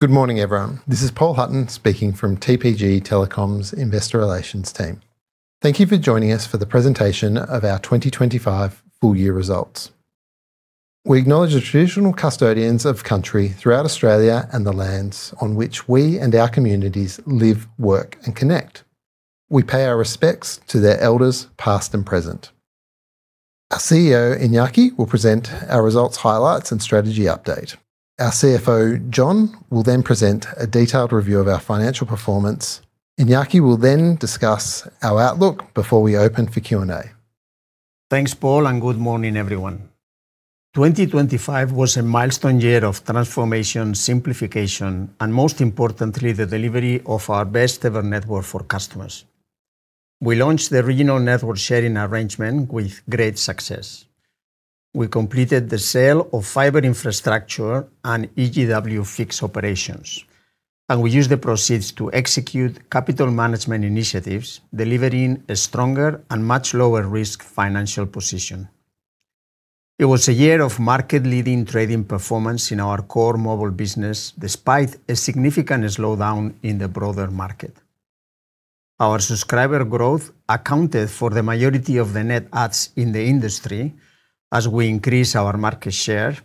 Good morning, everyone. This is Paul Hutton, speaking from TPG Telecom's Investor Relations team. Thank you for joining us for the presentation of our 2025 full year results. We acknowledge the traditional custodians of country throughout Australia and the lands on which we and our communities live, work, and connect. We pay our respects to their elders, past and present. Our CEO, Iñaki, will present our results, highlights, and strategy update. Our CFO, John, will then present a detailed review of our financial performance. Iñaki will then discuss our outlook before we open for Q&A. Thanks, Paul, and good morning, everyone. 2025 was a milestone year of transformation, simplification, and most importantly, the delivery of our best-ever network for customers. We launched the regional network sharing arrangement with great success. We completed the sale of fiber infrastructure and EGW fixed operations, and we used the proceeds to execute capital management initiatives, delivering a stronger and much lower risk financial position. It was a year of market-leading trading performance in our core mobile business, despite a significant slowdown in the broader market. Our subscriber growth accounted for the majority of the net adds in the industry as we increase our market share,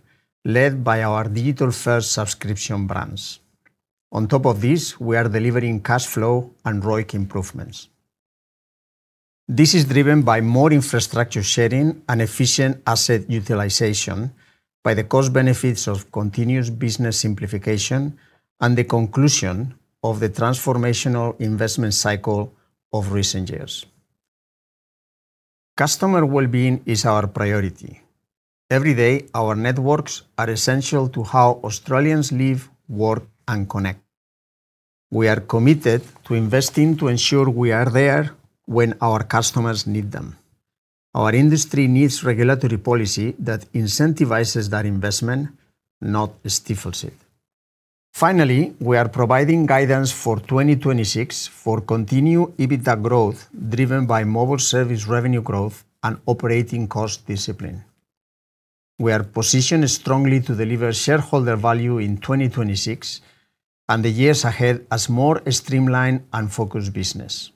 led by our digital-first subscription brands. On top of this, we are delivering cash flow and ROIC improvements. This is driven by more infrastructure sharing and efficient asset utilization by the cost benefits of continuous business simplification and the conclusion of the transformational investment cycle of recent years. Customer well-being is our priority. Every day, our networks are essential to how Australians live, work, and connect. We are committed to investing to ensure we are there when our customers need them. Our industry needs regulatory policy that incentivizes that investment, not stifles it. We are providing guidance for 2026 for continued EBITDA growth, driven by mobile service revenue growth and operating cost discipline. We are positioned strongly to deliver shareholder value in 2026 and the years ahead as more streamlined and focused business.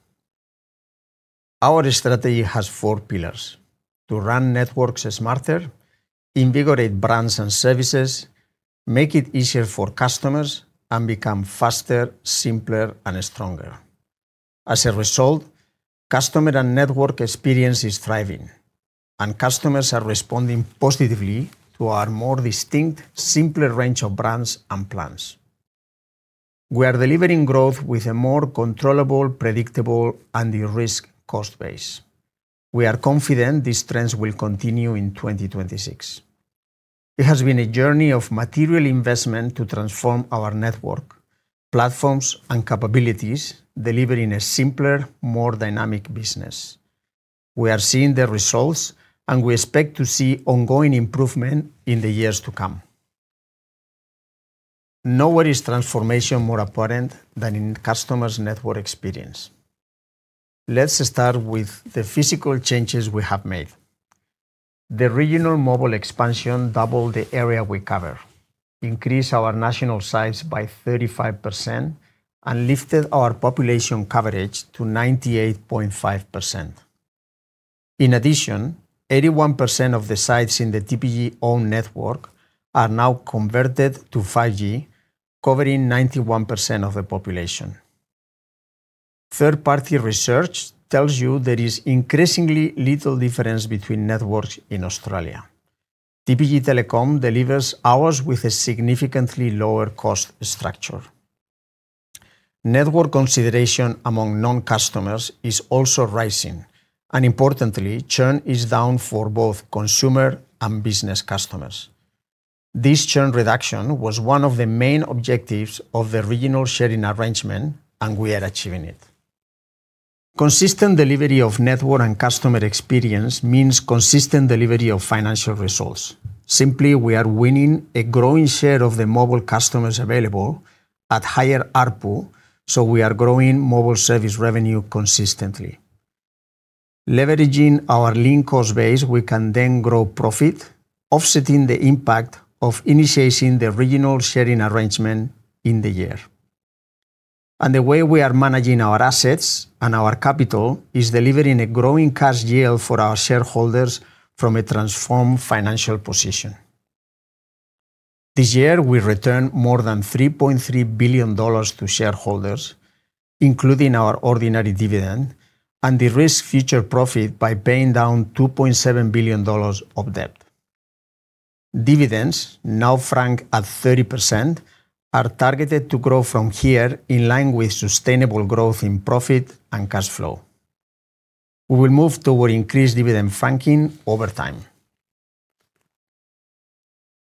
Our strategy has four pillars: to run networks smarter, invigorate brands and services, make it easier for customers, and become faster, simpler, and stronger. Customer and network experience is thriving, and customers are responding positively to our more distinct, simpler range of brands and plans. We are delivering growth with a more controllable, predictable, and de-risk cost base. We are confident these trends will continue in 2026. It has been a journey of material investment to transform our network, platforms, and capabilities, delivering a simpler, more dynamic business. We are seeing the results, and we expect to see ongoing improvement in the years to come. Nowhere is transformation more apparent than in customers' network experience. Let's start with the physical changes we have made. The regional mobile expansion doubled the area we cover, increased our national sites by 35%, and lifted our population coverage to 98.5%. In addition, 81% of the sites in the TPG-owned network are now converted to 5G, covering 91% of the population. Third-party research tells you there is increasingly little difference between networks in Australia. TPG Telecom delivers ours with a significantly lower cost structure. Network consideration among non-customers is also rising, and importantly, churn is down for both consumer and business customers. This churn reduction was one of the main objectives of the regional sharing arrangement, and we are achieving it. Consistent delivery of network and customer experience means consistent delivery of financial results. Simply, we are winning a growing share of the mobile customers available at higher ARPU, so we are growing mobile service revenue consistently. Leveraging our lean cost base, we can then grow profit, offsetting the impact of initiating the regional sharing arrangement in the year. The way we are managing our assets and our capital is delivering a growing cash yield for our shareholders from a transformed financial position. This year, we returned more than 3.3 billion dollars to shareholders, including our ordinary dividend and de-risked future profit by paying down 2.7 billion dollars of debt. Dividends, now frank at 30%, are targeted to grow from here in line with sustainable growth in profit and cash flow. We will move toward increased dividend franking over time.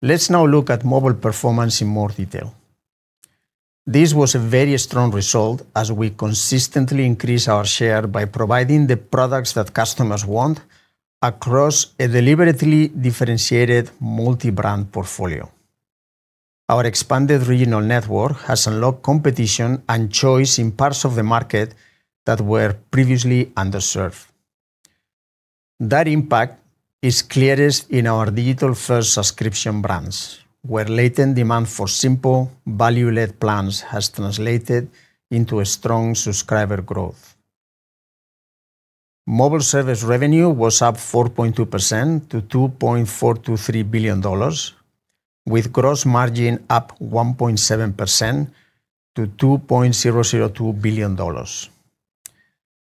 Let's now look at mobile performance in more detail. This was a very strong result as we consistently increase our share by providing the products that customers want across a deliberately differentiated multi-brand portfolio. Our expanded regional network has unlocked competition and choice in parts of the market that were previously underserved. That impact is clearest in our digital-first subscription brands, where latent demand for simple, value-led plans has translated into a strong subscriber growth. Mobile service revenue was up 4.2% to 2.423 billion dollars, with gross margin up 1.7% to 2.002 billion dollars.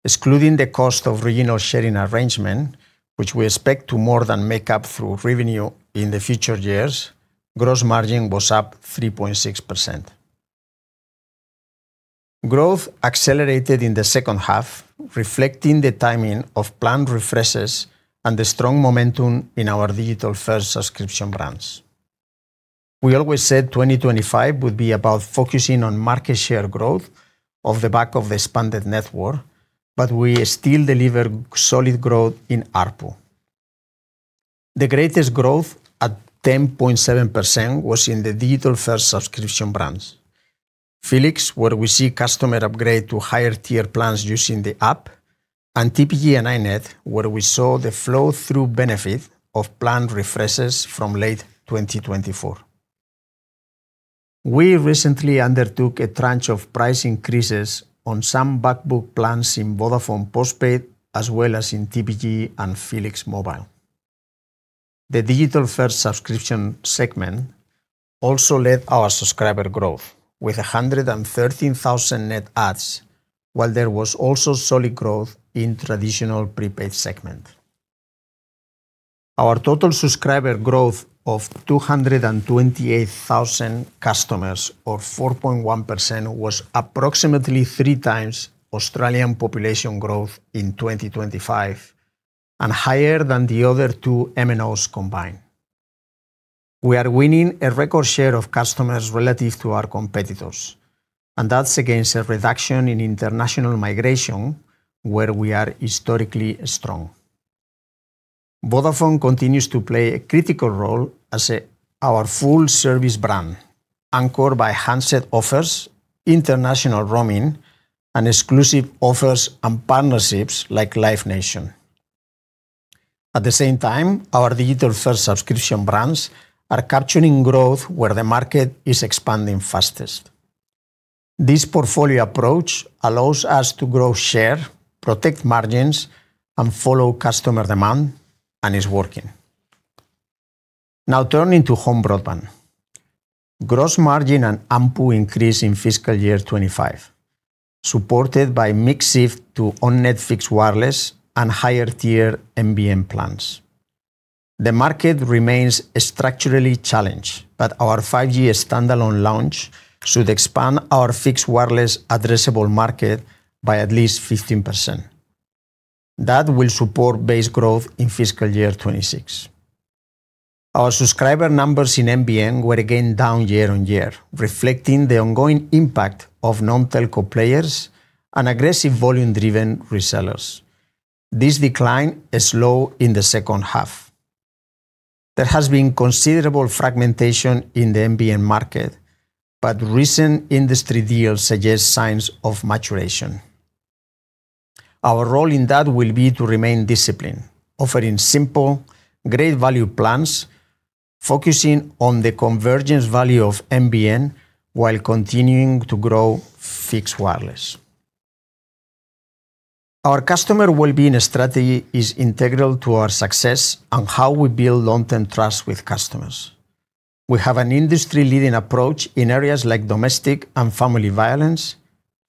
Excluding the cost of regional sharing arrangement, which we expect to more than make up through revenue in the future years, gross margin was up 3.6%. Growth accelerated in the second half, reflecting the timing of planned refreshes and the strong momentum in our digital-first subscription brands. We always said 2025 would be about focusing on market share growth of the back of the expanded network. We still deliver solid growth in ARPU. The greatest growth, at 10.7%, was in the digital-first subscription brands. felix, where we see customer upgrade to higher tier plans using the app, TPG and iiNet, where we saw the flow-through benefit of planned refreshes from late 2024. We recently undertook a tranche of price increases on some backbook plans in Vodafone postpaid, as well as in TPG and felix mobile. The digital-first subscription segment also led our subscriber growth, with 113,000 net adds, while there was also solid growth in traditional prepaid segment. Our total subscriber growth of 228,000 customers, or 4.1%, was approximately three times Australian population growth in 2025, higher than the other two MNOs combined. We are winning a record share of customers relative to our competitors, that's against a reduction in international migration, where we are historically strong. Vodafone continues to play a critical role as a, our full service brand, anchored by handset offers, international roaming, and exclusive offers and partnerships like Live Nation. At the same time, our digital-first subscription brands are capturing growth where the market is expanding fastest. This portfolio approach allows us to grow share, protect margins, and follow customer demand, and it's working. Now, turning to home broadband. Gross margin and ARPU increased in fiscal year 25, supported by mix shift to on-net fixed wireless and higher tier NBN plans. The market remains structurally challenged, but our 5G Standalone launch should expand our fixed wireless addressable market by at least 15%. That will support base growth in fiscal year 26. Our subscriber numbers in NBN were again down year-over-year, reflecting the ongoing impact of non-telco players and aggressive volume-driven resellers. This decline is low in the second half. There has been considerable fragmentation in the NBN market, but recent industry deals suggest signs of maturation. Our role in that will be to remain disciplined, offering simple, great value plans, focusing on the convergence value of NBN while continuing to grow fixed wireless. Our customer wellbeing strategy is integral to our success and how we build long-term trust with customers. We have an industry-leading approach in areas like domestic and family violence,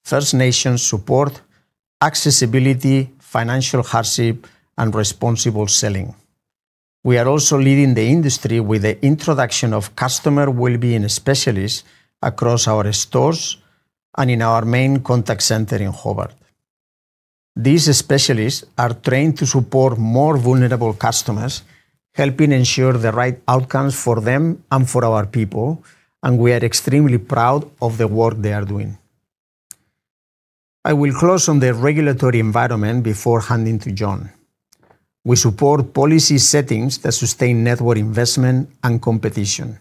First Nations support, accessibility, financial hardship, and responsible selling. We are also leading the industry with the introduction of customer wellbeing specialists across our stores and in our main contact center in Hobart. These specialists are trained to support more vulnerable customers, helping ensure the right outcomes for them and for our people, and we are extremely proud of the work they are doing. I will close on the regulatory environment before handing to John. We support policy settings that sustain network investment and competition.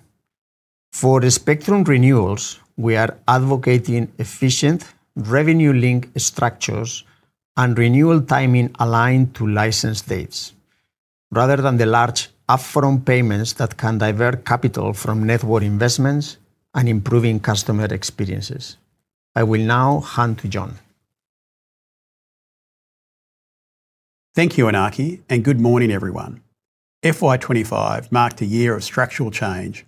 For the spectrum renewals, we are advocating efficient revenue link structures and renewal timing aligned to license dates, rather than the large upfront payments that can divert capital from network investments and improving customer experiences. I will now hand to John. Thank you, Iñaki, and good morning, everyone. FY 2025 marked a year of structural change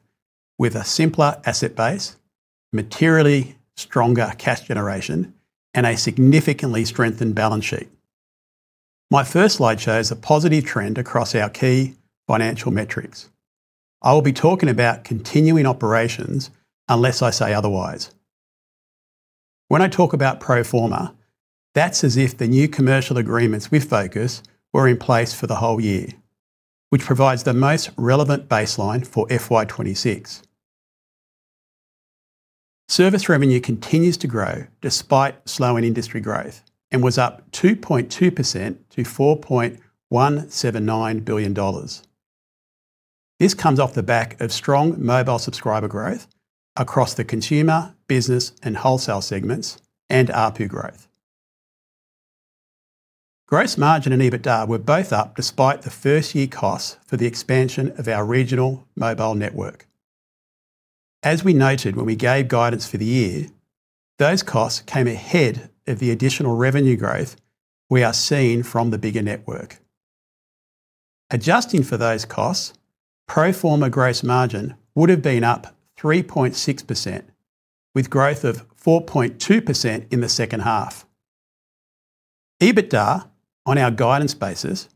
with a simpler asset base, materially stronger cash generation, and a significantly strengthened balance sheet. My first slide shows a positive trend across our key financial metrics. I will be talking about continuing operations unless I say otherwise. When I talk about pro forma, that's as if the new commercial agreements with Vocus were in place for the whole year, which provides the most relevant baseline for FY 2026. Service revenue continues to grow despite slowing industry growth and was up 2.2% to 4.179 billion dollars. This comes off the back of strong mobile subscriber growth across the consumer, business, and wholesale segments, and ARPU growth. Gross margin and EBITDA were both up despite the first-year costs for the expansion of our regional mobile network. As we noted when we gave guidance for the year, those costs came ahead of the additional revenue growth we are seeing from the bigger network. Adjusting for those costs, pro forma gross margin would have been up 3.6%, with growth of 4.2% in the second half. EBITDA on our guidance basis,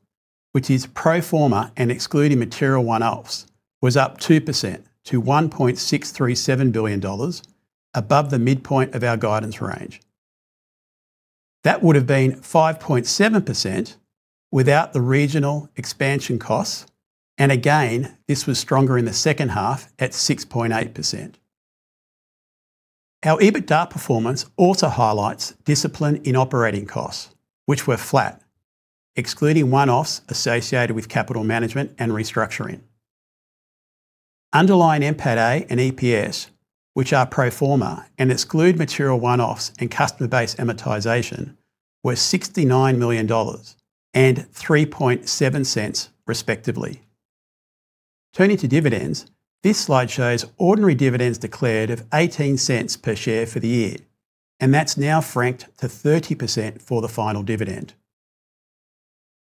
which is pro forma and excluding material one-offs, was up 2% to 1.637 billion dollars, above the midpoint of our guidance range. That would have been 5.7% without the regional expansion costs, and again, this was stronger in the second half at 6.8%. Our EBITDA performance also highlights discipline in operating costs, which were flat, excluding one-offs associated with capital management and restructuring. Underlying NPATA and EPS, which are pro forma and exclude material one-offs and customer base amortization, were 69 million dollars and 0.037, respectively. Turning to dividends, this slide shows ordinary dividends declared of 0.18 per share for the year, and that's now franked to 30% for the final dividend.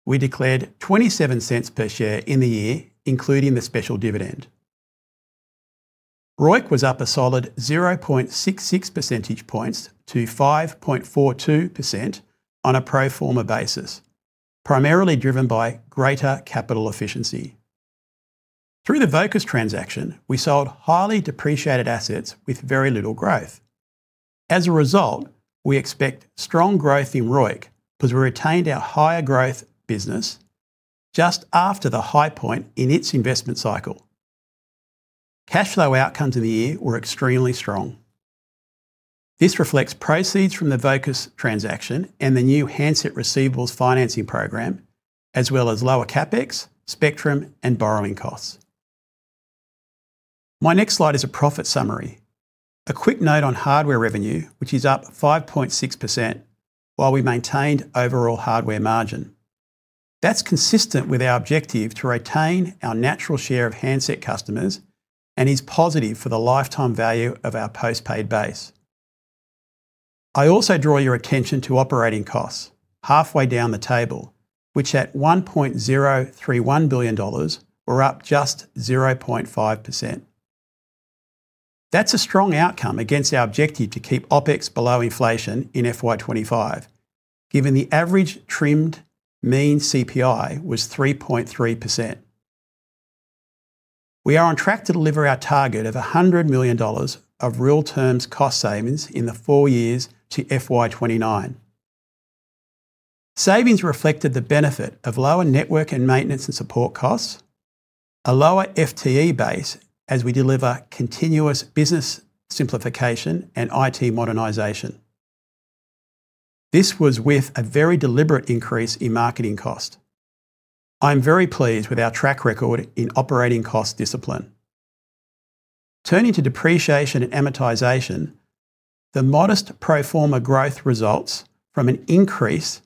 We declared 0.27 per share in the year, including the special dividend. ROIC was up a solid 0.66 percentage points to 5.42% on a pro forma basis, primarily driven by greater capital efficiency. Through the Vocus transaction, we sold highly depreciated assets with very little growth. As a result, we expect strong growth in ROIC, because we retained our higher growth business just after the high point in its investment cycle. Cash flow outcomes of the year were extremely strong. This reflects proceeds from the Vocus transaction and the new handset receivables financing program, as well as lower CapEx, spectrum, and borrowing costs. My next slide is a profit summary. A quick note on hardware revenue, which is up 5.6%, while we maintained overall hardware margin. That's consistent with our objective to retain our natural share of handset customers and is positive for the lifetime value of our post-paid base. I also draw your attention to operating costs halfway down the table, which at 1.031 billion dollars were up just 0.5%. That's a strong outcome against our objective to keep OpEx below inflation in FY25, given the average trimmed mean CPI was 3.3%. We are on track to deliver our target of 100 million dollars of real terms cost savings in the 4 years to FY29. Savings reflected the benefit of lower network and maintenance and support costs, a lower FTE base as we deliver continuous business simplification and IT modernization. This was with a very deliberate increase in marketing cost. I'm very pleased with our track record in operating cost discipline. Turning to depreciation and amortization, the modest pro forma growth results from an increase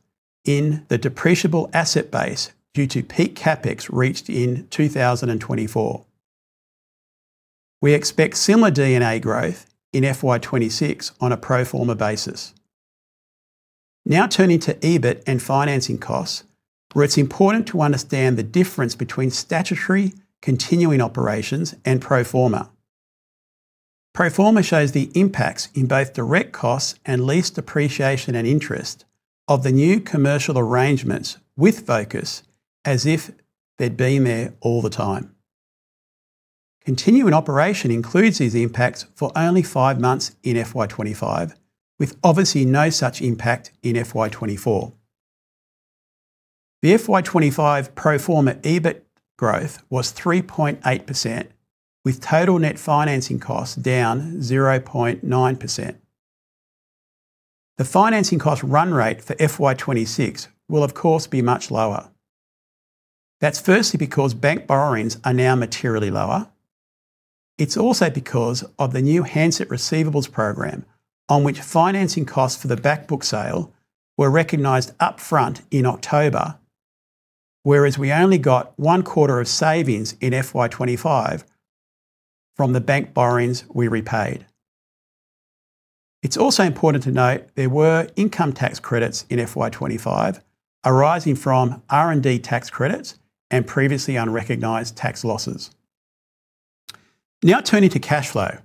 in the depreciable asset base due to peak CapEx reached in 2024. We expect similar D&A growth in FY26 on a pro forma basis. Turning to EBIT and financing costs, where it's important to understand the difference between statutory, continuing operations, and pro forma. Pro forma shows the impacts in both direct costs and lease depreciation and interest of the new commercial arrangements with Vocus as if they'd been there all the time. Continuing operation includes these impacts for only five months in FY 25, with obviously no such impact in FY 24. The FY 25 pro forma EBIT growth was 3.8%, with total net financing costs down 0.9%. The financing cost run rate for FY 26 will, of course, be much lower. That's firstly because bank borrowings are now materially lower. It's also because of the new handset receivables program, on which financing costs for the back book sale were recognized upfront in October, whereas we only got one quarter of savings in FY 25 from the bank borrowings we repaid. It's also important to note there were income tax credits in FY 2025, arising from R&D tax credits and previously unrecognized tax losses. Turning to cash flow,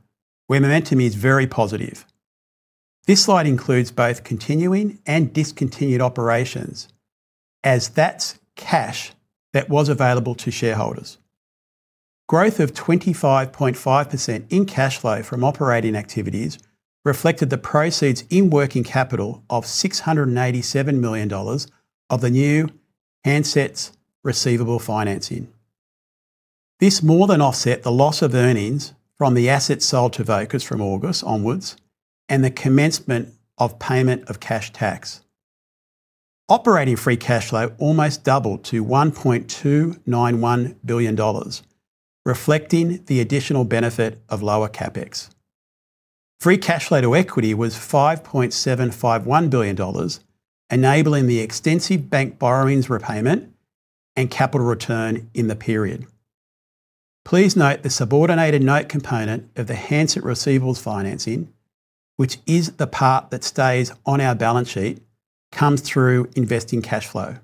where momentum is very positive. This slide includes both continuing and discontinued operations as that's cash that was available to shareholders. Growth of 25.5% in cash flow from operating activities reflected the proceeds in working capital of 687 million dollars of the new handsets receivable financing. This more than offset the loss of earnings from the assets sold to Vocus from August onwards and the commencement of payment of cash tax. Operating free cash flow almost doubled to 1.291 billion dollars, reflecting the additional benefit of lower CapEx. Free cash flow to equity was 5.751 billion dollars, enabling the extensive bank borrowings repayment and capital return in the period. Please note the subordinated note component of the handset receivables financing, which is the part that stays on our balance sheet, comes through investing cash flow.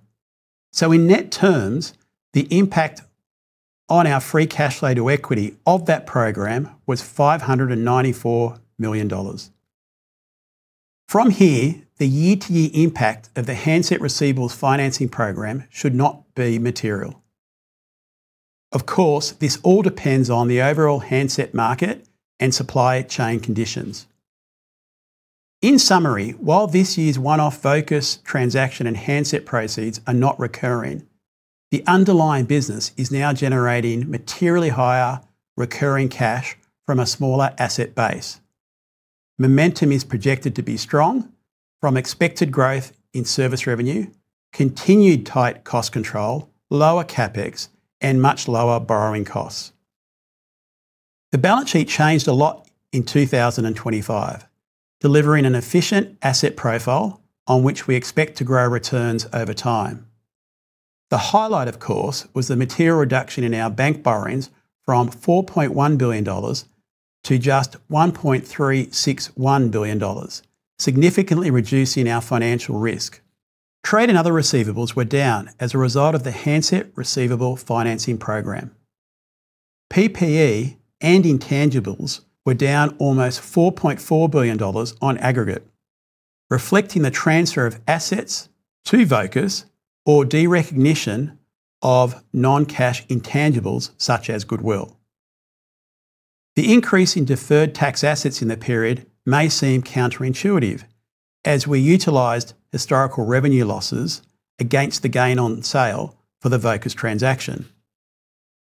In net terms, the impact on our free cash flow to equity of that program was 594 million dollars. From here, the year-to-year impact of the handset receivables financing program should not be material. Of course, this all depends on the overall handset market and supply chain conditions. In summary, while this year's one-off Vocus transaction and handset proceeds are not recurring, the underlying business is now generating materially higher recurring cash from a smaller asset base. Momentum is projected to be strong from expected growth in service revenue, continued tight cost control, lower CapEx, and much lower borrowing costs. The balance sheet changed a lot in 2025, delivering an efficient asset profile on which we expect to grow returns over time. The highlight, of course, was the material reduction in our bank borrowings from 4.1 billion dollars to just 1.361 billion dollars, significantly reducing our financial risk. Trade and other receivables were down as a result of the handset receivable financing program. PPE and intangibles were down almost 4.4 billion dollars on aggregate, reflecting the transfer of assets to Vocus or derecognition of non-cash intangibles such as goodwill. The increase in deferred tax assets in the period may seem counterintuitive, as we utilized historical revenue losses against the gain on sale for the Vocus transaction.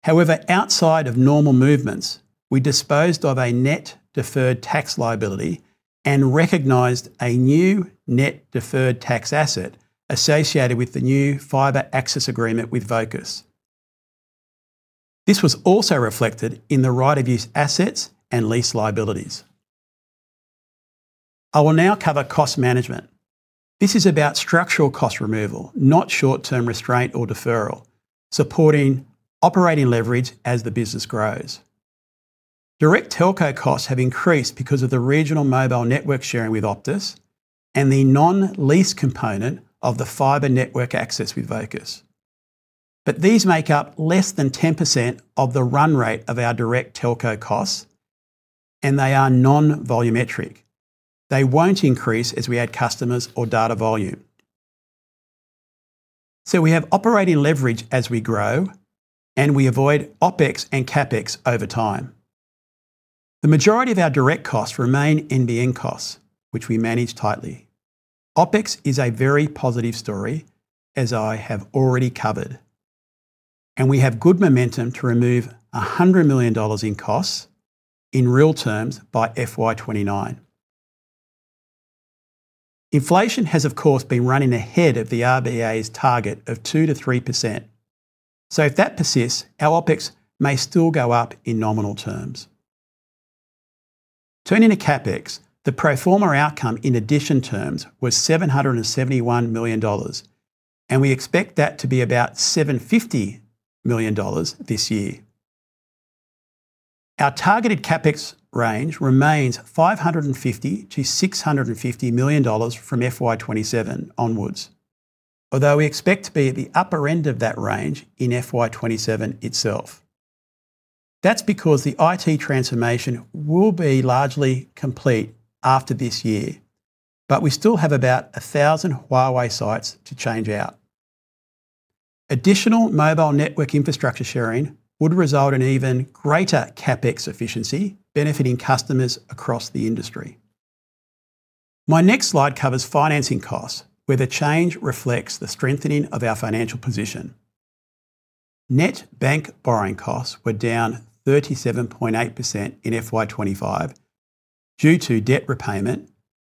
Outside of normal movements, we disposed of a net deferred tax liability and recognized a new net deferred tax asset associated with the new fiber access agreement with Vocus. This was also reflected in the right of use assets and lease liabilities. I will now cover cost management. This is about structural cost removal, not short-term restraint or deferral, supporting operating leverage as the business grows. Direct telco costs have increased because of the regional mobile network sharing with Optus and the non-lease component of the fiber network access with Vocus. These make up less than 10% of the run rate of our direct telco costs, and they are non-volumetric. They won't increase as we add customers or data volume. We have operating leverage as we grow, and we avoid OpEx and CapEx over time. The majority of our direct costs remain NBN costs, which we manage tightly. OpEx is a very positive story, as I have already covered, and we have good momentum to remove 100 million dollars in costs in real terms by FY 2029. Inflation has, of course, been running ahead of the RBA's target of 2%-3%. If that persists, our OpEx may still go up in nominal terms. Turning to CapEx, the pro forma outcome in addition terms was 771 million dollars, and we expect that to be about 750 million dollars this year. Our targeted CapEx range remains 550 million-650 million dollars from FY 2027 onwards, although we expect to be at the upper end of that range in FY 2027 itself. That's because the IT transformation will be largely complete after this year, but we still have about 1,000 Huawei sites to change out. Additional mobile network infrastructure sharing would result in even greater CapEx efficiency, benefiting customers across the industry. My next slide covers financing costs, where the change reflects the strengthening of our financial position. Net bank borrowing costs were down 37.8% in FY 2025 due to debt repayment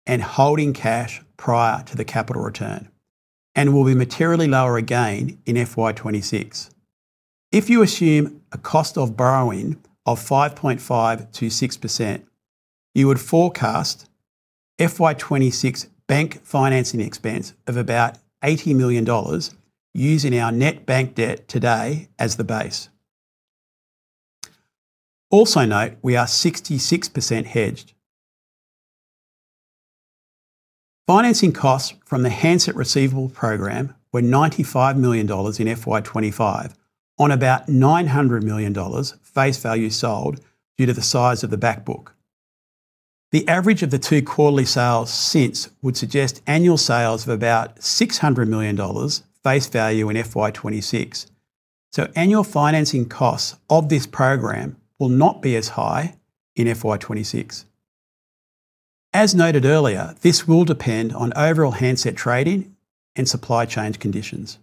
and holding cash prior to the capital return, and will be materially lower again in FY 2026. If you assume a cost of borrowing of 5.5%-6%, you would forecast FY 2026 bank financing expense of about 80 million dollars using our net bank debt today as the base. Note, we are 66% hedged. Financing costs from the handset receivable program were 95 million dollars in FY 2025 on about 900 million dollars face value sold due to the size of the back book. The average of the two quarterly sales since would suggest annual sales of about 600 million dollars face value in FY 2026. Annual financing costs of this program will not be as high in FY 2026. As noted earlier, this will depend on overall handset trading and supply chain conditions.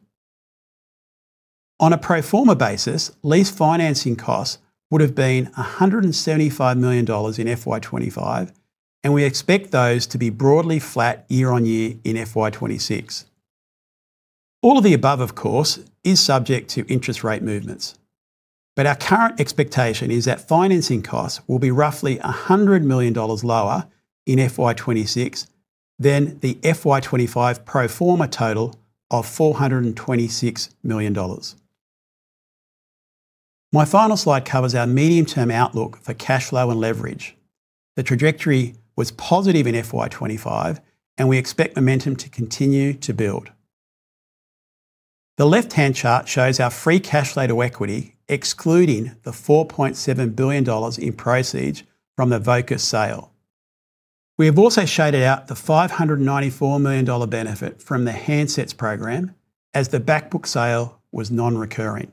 On a pro forma basis, lease financing costs would have been 175 million dollars in FY 2025, and we expect those to be broadly flat year-on-year in FY 2026. All of the above, of course, is subject to interest rate movements, but our current expectation is that financing costs will be roughly 100 million dollars lower in FY 2026 than the FY 2025 pro forma total of 426 million dollars. My final slide covers our medium-term outlook for cash flow and leverage. The trajectory was positive in FY 2025, and we expect momentum to continue to build. The left-hand chart shows our free cash flow to equity, excluding the 4.7 billion dollars in proceeds from the Vocus sale. We have also shaded out the 594 million dollar benefit from the handsets program, as the back book sale was non-recurring.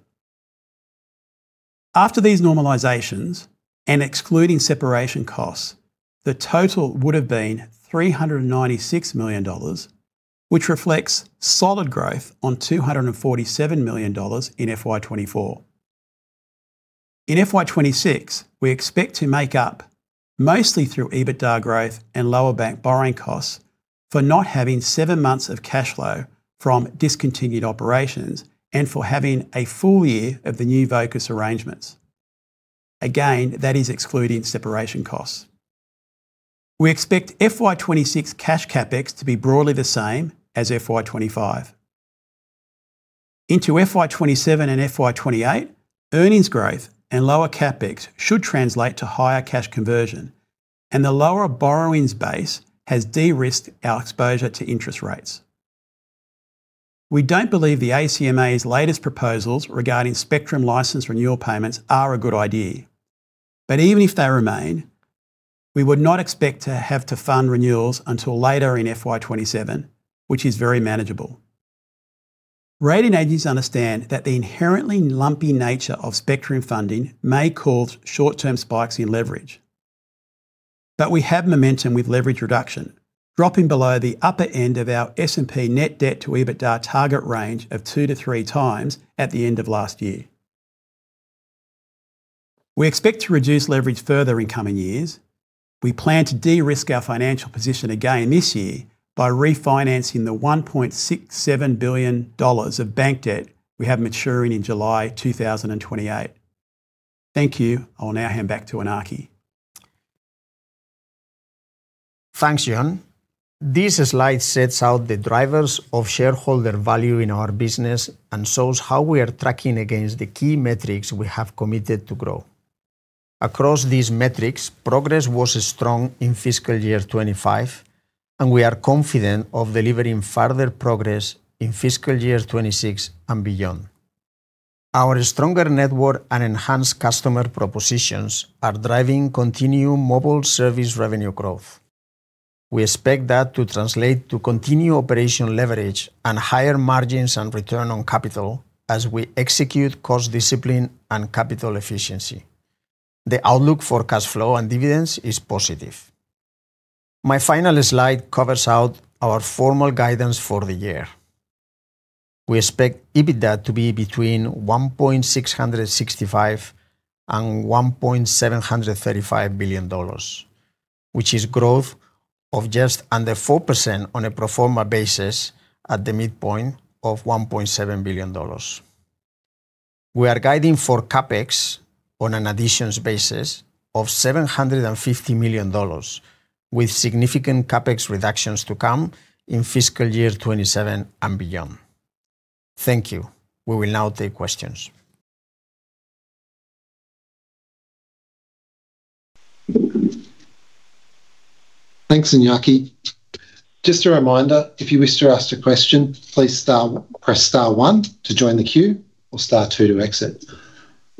After these normalizations and excluding separation costs, the total would have been 396 million dollars, which reflects solid growth on 247 million dollars in FY 2024. In FY 26, we expect to make up, mostly through EBITDA growth and lower bank borrowing costs, for not having 7 months of cash flow from discontinued operations and for having a full year of the new Vocus arrangements. That is excluding separation costs. We expect FY 26 cash CapEx to be broadly the same as FY 25. Into FY 27 and FY 28, earnings growth and lower CapEx should translate to higher cash conversion, and the lower borrowings base has de-risked our exposure to interest rates. We don't believe the ACMA's latest proposals regarding spectrum license renewal payments are a good idea, but even if they remain, we would not expect to have to fund renewals until later in FY 27, which is very manageable. Rating agencies understand that the inherently lumpy nature of spectrum funding may cause short-term spikes in leverage. We have momentum with leverage reduction, dropping below the upper end of our S&P net debt to EBITDA target range of 2x-3x at the end of last year. We expect to reduce leverage further in coming years. We plan to de-risk our financial position again this year by refinancing the 1.67 billion dollars of bank debt we have maturing in July 2028. Thank you. I'll now hand back to Iñaki. Thanks, John. This slide sets out the drivers of shareholder value in our business and shows how we are tracking against the key metrics we have committed to grow. Across these metrics, progress was strong in fiscal year 2025, and we are confident of delivering further progress in fiscal year 2026 and beyond. Our stronger network and enhanced customer propositions are driving continued mobile service revenue growth. We expect that to translate to continued operational leverage and higher margins and return on capital as we execute cost discipline and capital efficiency. The outlook for cash flow and dividends is positive. My final slide covers out our formal guidance for the year. We expect EBITDA to be between 1.665 billion dollars and 1.735 billion dollars, which is growth of just under 4% on a pro forma basis at the midpoint of 1.7 billion dollars. We are guiding for CapEx on an additions basis of 750 million dollars, with significant CapEx reductions to come in fiscal year 2027 and beyond. Thank you. We will now take questions. Thanks, Iñaki. Just a reminder, if you wish to ask a question, please press star one to join the queue, or star two to exit.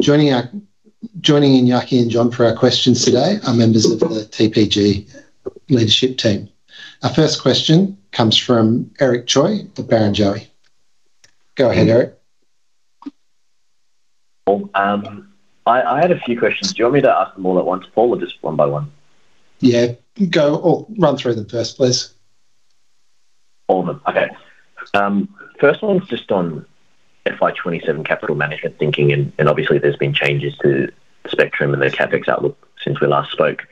Joining Iñaki and John for our questions today are members of the TPG leadership team. Our first question comes from Eric Choi of Barrenjoey. Go ahead, Eric. I had a few questions. Do you want me to ask them all at once, Paul, or just one by one? Yeah, go or run through them first, please. All of them. Okay. First one's just on FY27 capital management thinking, and obviously, there's been changes to the spectrum and the CapEx outlook since we last spoke.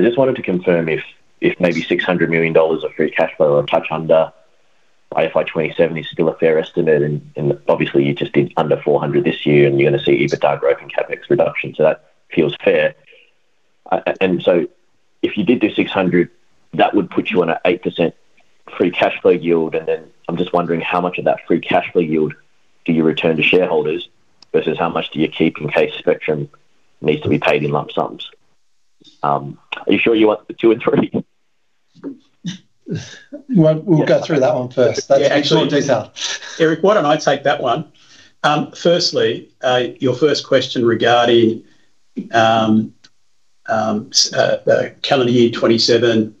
Just wanted to confirm if maybe 600 million dollars of free cash flow or touch under by FY27 is still a fair estimate, and obviously you just did under 400 million this year, and you're going to see EBITDA growth and CapEx reduction, so that feels fair. If you did do 600 million, that would put you on an 8% free cash flow yield. Then I'm just wondering how much of that free cash flow yield do you return to shareholders versus how much do you keep in case spectrum needs to be paid in lump sums? Are you sure you want the two and three? Well, we'll go through that one first. Yeah. In some detail. Eric, why don't I take that one? firstly, your first question regarding calendar year 2027,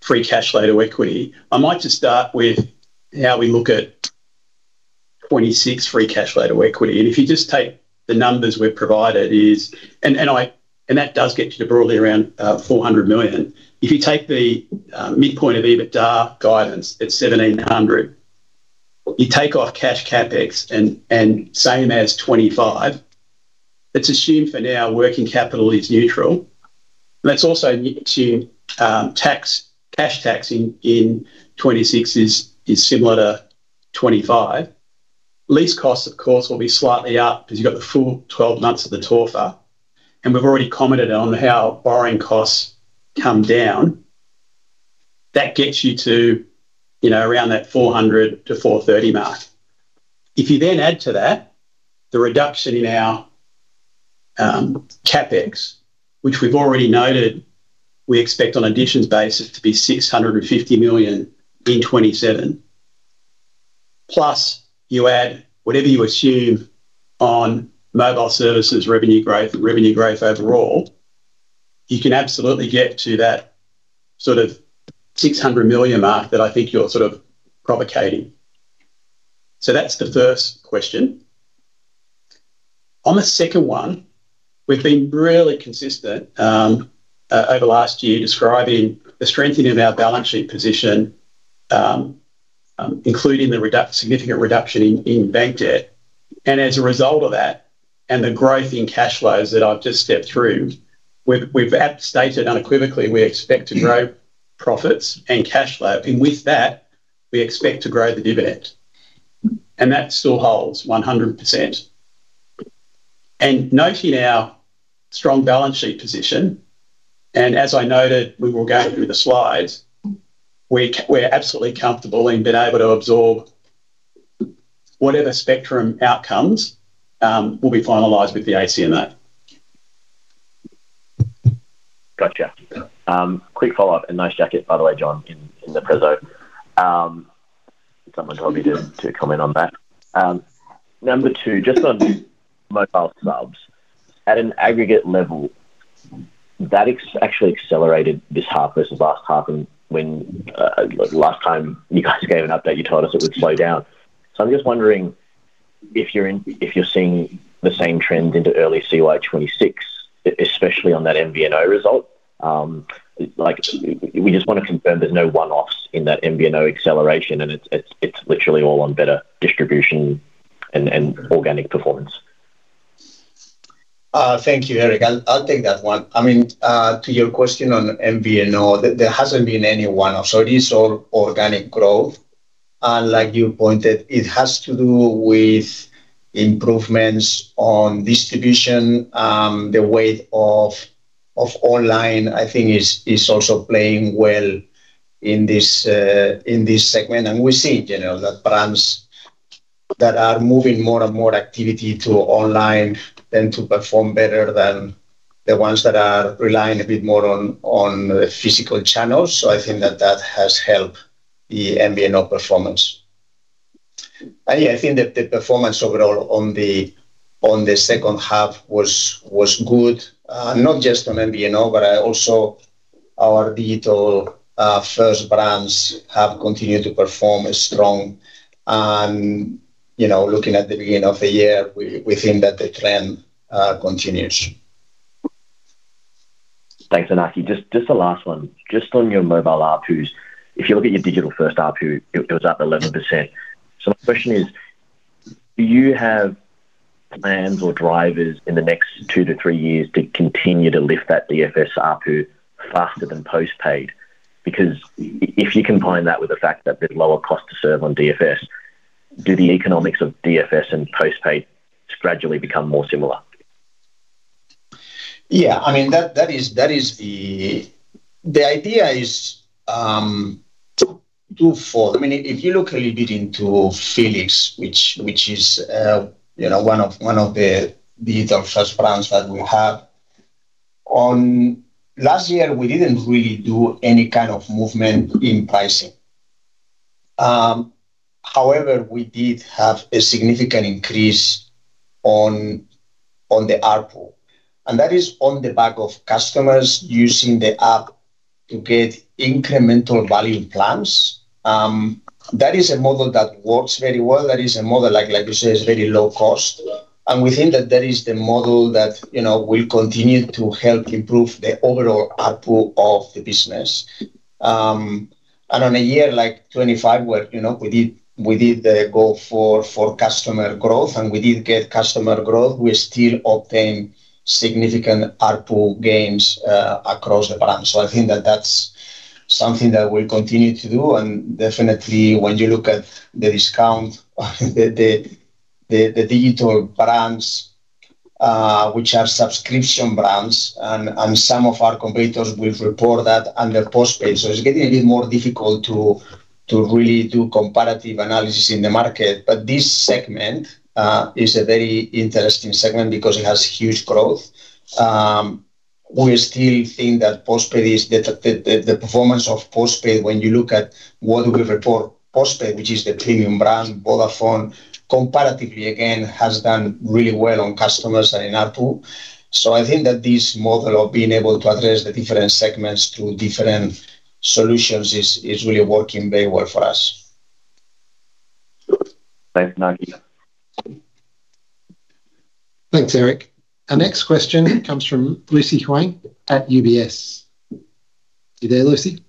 free cash flow to equity. I'd like to start with how we look at 2026 free cash flow to equity. If you just take the numbers we've provided is... That does get you to broadly around 400 million. If you take the midpoint of EBITDA guidance at 1,700 million, you take off cash CapEx and same as 2025. Let's assume for now, working capital is neutral. Let's also assume, tax, cash tax in 2026 is similar to 2025. Lease costs, of course, will be slightly up because you've got the full 12 months of the TOFA. We've already commented on how borrowing costs come down. That gets you to, you know, around that 400-430 mark. If you add to that the reduction in our CapEx, which we've already noted, we expect on additions basis to be 650 million in 2027. You add whatever you assume on mobile services, revenue growth, and revenue growth overall, you can absolutely get to that sort of 600 million mark that I think you're sort of provocating. That's the first question. On the second one, we've been really consistent over last year, describing the strengthening of our balance sheet position, including the significant reduction in bank debt. As a result of that and the growth in cash flows that I've just stepped through, we've stated unequivocally, we expect to grow profits and cash flow, and with that, we expect to grow the dividend. That still holds 100%. Noting our strong balance sheet position, and as I noted, we will go through the slides. We're absolutely comfortable in being able to absorb whatever spectrum outcomes will be finalized with the ACMA. Gotcha. Quick follow-up, nice jacket, by the way, John, in the preso. Someone told me to comment on that. Number two, just on mobile subs. At an aggregate level, that actually accelerated this half versus last half and when last time you guys gave an update, you told us it would slow down. I'm just wondering if you're seeing the same trend into early CY 2026, especially on that MVNO result. Like, we just want to confirm there's no one-offs in that MVNO acceleration, and it's literally all on better distribution and organic performance. Thank you, Eric. I'll take that one. I mean, to your question on MVNO, there hasn't been any one-off, so it is all organic growth. Like you pointed, it has to do with improvements on distribution, the weight of online, I think, is also playing well in this segment. We see, you know, that brands that are moving more and more activity to online tend to perform better than the ones that are relying a bit more on the physical channels. I think that has helped the MVNO performance. Yeah, I think that the performance overall on the second half was good, not just on MVNO, but also our digital first brands have continued to perform strong. You know, looking at the beginning of the year, we think that the trend continues. Thanks, Iñaki. Just the last one. Just on your mobile ARPUs. If you look at your digital first ARPU, it was up 11%. My question is: Do you have plans or drivers in the next 2-3 years to continue to lift that DFS ARPU faster than postpaid? If you combine that with the fact that the lower cost to serve on DFS, do the economics of DFS and postpaid gradually become more similar? I mean, that is the idea is twofold. I mean, if you look a little bit into felix, which is, you know, one of the digital first brands that we have. Last year, we didn't really do any kind of movement in pricing. We did have a significant increase on the ARPU, and that is on the back of customers using the app to get incremental value plans. That is a model that works very well. That is a model like you said, it's very low cost, and we think that is the model that, you know, will continue to help improve the overall ARPU of the business. On a year like 25, where, you know, we did the goal for customer growth, and we did get customer growth, we still obtain significant ARPU gains across the brand. I think that that's something that we'll continue to do, and definitely when you look at the discount, the digital brands, which are subscription brands, and some of our competitors will report that under postpaid. It's getting a little more difficult to really do comparative analysis in the market. This segment is a very interesting segment because it has huge growth. We still think that postpaid is the performance of postpaid when you look at what we report, postpaid, which is the premium brand, Vodafone comparatively again, has done really well on customers and in ARPU. I think that this model of being able to address the different segments through different solutions is really working very well for us. Thanks, Eric. Our next question comes from Lucy Huang at UBS. You there, Lucy?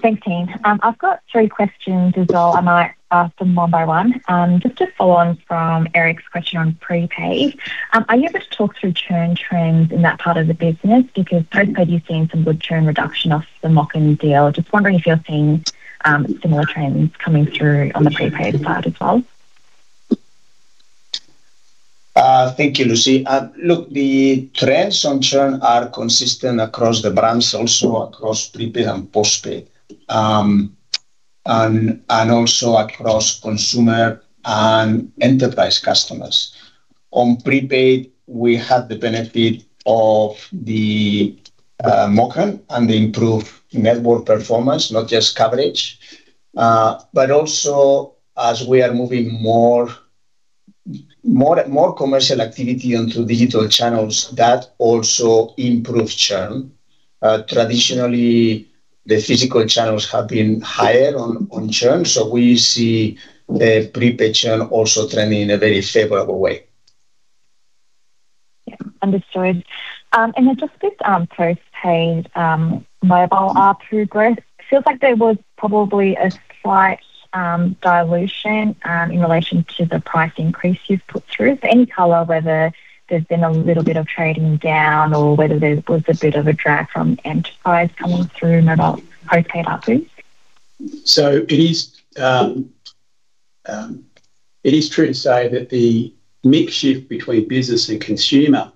Thanks, team. I've got 3 questions as well, and I'll ask them one by one. Just to follow on from Eric's question on prepaid. Are you able to talk through churn trends in that part of the business? Postpaid, you've seen some good churn reduction off the MOCN deal. Just wondering if you're seeing similar trends coming through on the prepaid side as well. Thank you, Lucy. Look, the trends on churn are consistent across the brands, also across prepaid and postpaid. And also across consumer and enterprise customers. On prepaid, we have the benefit of the MOCN and the improved network performance, not just coverage. But also as we are moving more commercial activity onto digital channels, that also improves churn. Traditionally, the physical channels have been higher on churn, so we see the prepaid churn also trending in a very favorable way. Understood. Just this postpaid mobile ARPU growth. Feels like there was probably a slight dilution in relation to the price increase you've put through. Any color, whether there's been a little bit of trading down or whether there was a bit of a drag from enterprise coming through mobile postpaid ARPU? It is true to say that the mix shift between business and consumer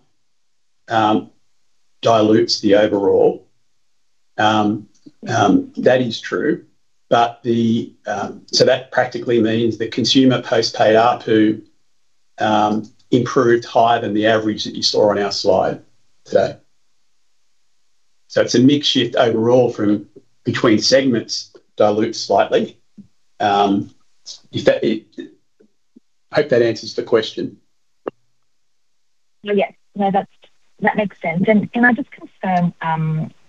dilutes the overall. That is true, but the. That practically means the consumer postpaid ARPU improved higher than the average that you saw on our slide today. It's a mix shift overall from between segments dilutes slightly. If that, hope that answers the question. Yeah. No, that's, that makes sense. Can I just confirm,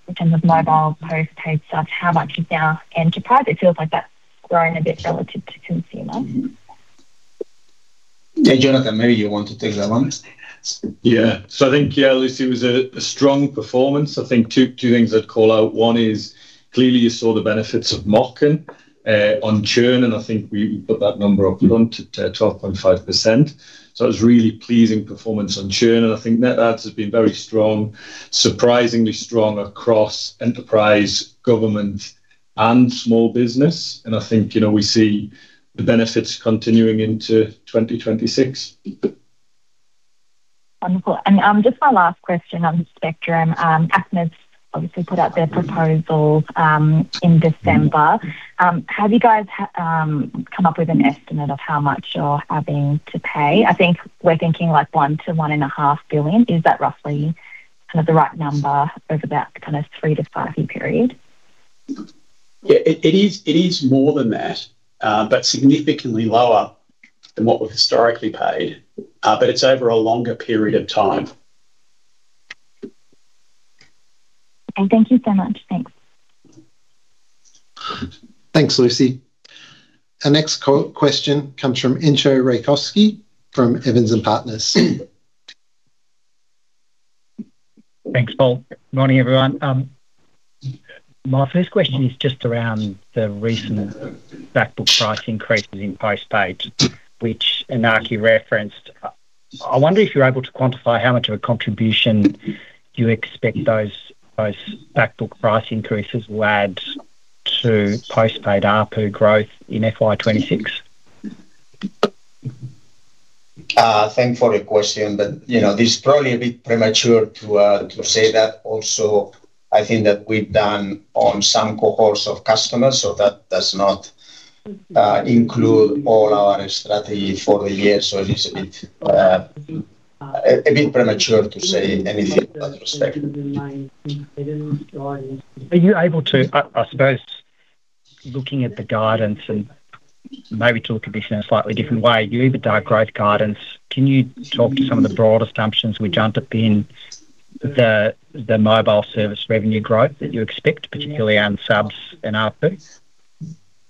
in terms of mobile postpaid, such how much is now enterprise? It feels like that's grown a bit relative to consumer. Hey, Jonathan, maybe you want to take that one. Lucy, it was a strong performance. I think two things I'd call out. One is clearly you saw the benefits of MOCN on churn, and I think we put that number up front to 12.5%. It was really pleasing performance on churn, and I think net adds has been very strong, surprisingly strong across enterprise, government, and small business. I think, you know, we see the benefits continuing into 2026. Wonderful. Just my last question on Spectrum. ACMA's obviously put out their proposal, in December. Have you guys come up with an estimate of how much you're having to pay? I think we're thinking, like, 1 billion-1.5 billion. Is that roughly kind of the right number over that kind of 3-5-year period? Yeah, it is more than that, but significantly lower than what we've historically paid, but it's over a longer period of time. Okay. Thank you so much. Thanks. Thanks, Lucy. Our next question comes from Entcho Raykovski from Evans and Partners. Thanks, Paul. Morning, everyone. My first question is just around the recent backbook price increases in postpaid, which Iñaki referenced. I wonder if you're able to quantify how much of a contribution you expect those backbook price increases will add to postpaid ARPU growth in FY26. Thank you for the question, you know, this is probably a bit premature to say that. I think that we've done on some cohorts of customers, so that does not include all our strategy for the year. It is a bit premature to say anything at this second. Are you able to, I suppose looking at the guidance and maybe talk a bit in a slightly different way. You gave the growth guidance, can you talk to some of the broad assumptions which underpin the mobile service revenue growth that you expect, particularly on subs and ARPUs?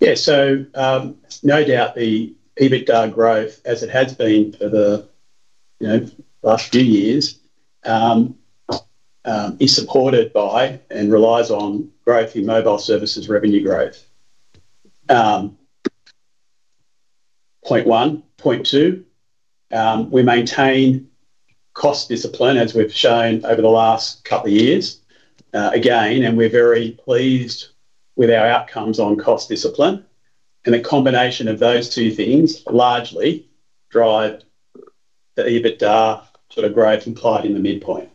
No doubt the EBITDA growth, as it has been for the, you know, last few years, is supported by and relies on growth in mobile services revenue growth. Point one. Point two, we maintain cost discipline, as we've shown over the last couple of years, again, and we're very pleased with our outcomes on cost discipline. A combination of those two things largely drive the EBITDA to grow from client in the midpoint.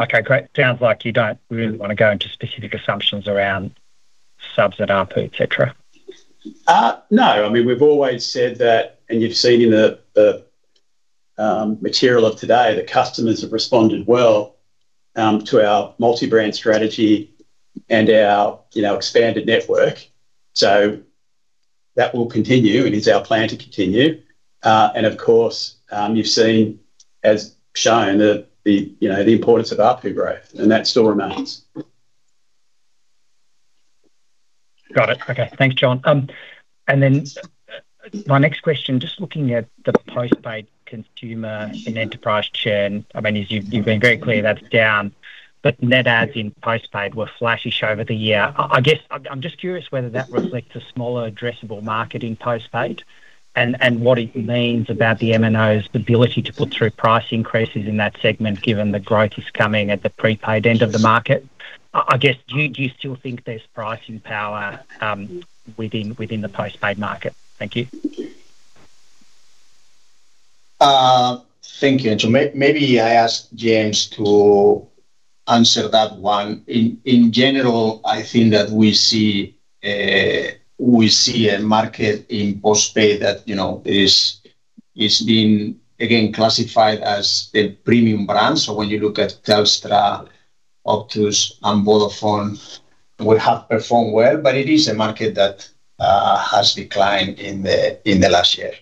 Okay, great. Sounds like you don't really want to go into specific assumptions around subs and ARPU, et cetera. No. I mean, we've always said that, and you've seen in the material of today, that customers have responded well to our multi-brand strategy and our, you know, expanded network. That will continue, and it's our plan to continue. Of course, you've seen, as shown, that the, you know, the importance of ARPU growth, and that still remains. Got it. Okay, thanks, John. My next question: just looking at the postpaid consumer and enterprise churn, I mean, you've been very clear that's down, but net adds in postpaid were [flattish] over the year. I guess I'm just curious whether that reflects a smaller addressable market in postpaid, and what it means about the MNO's ability to put through price increases in that segment, given the growth is coming at the prepaid end of the market. I guess, do you still think there's pricing power within the postpaid market? Thank you. Thank you, Andrew. Maybe I ask James to answer that one. In general, I think that we see a market in postpaid that, you know, is being again classified as a premium brand. When you look at Telstra, Optus, and Vodafone, we have performed well, but it is a market that has declined in the last year.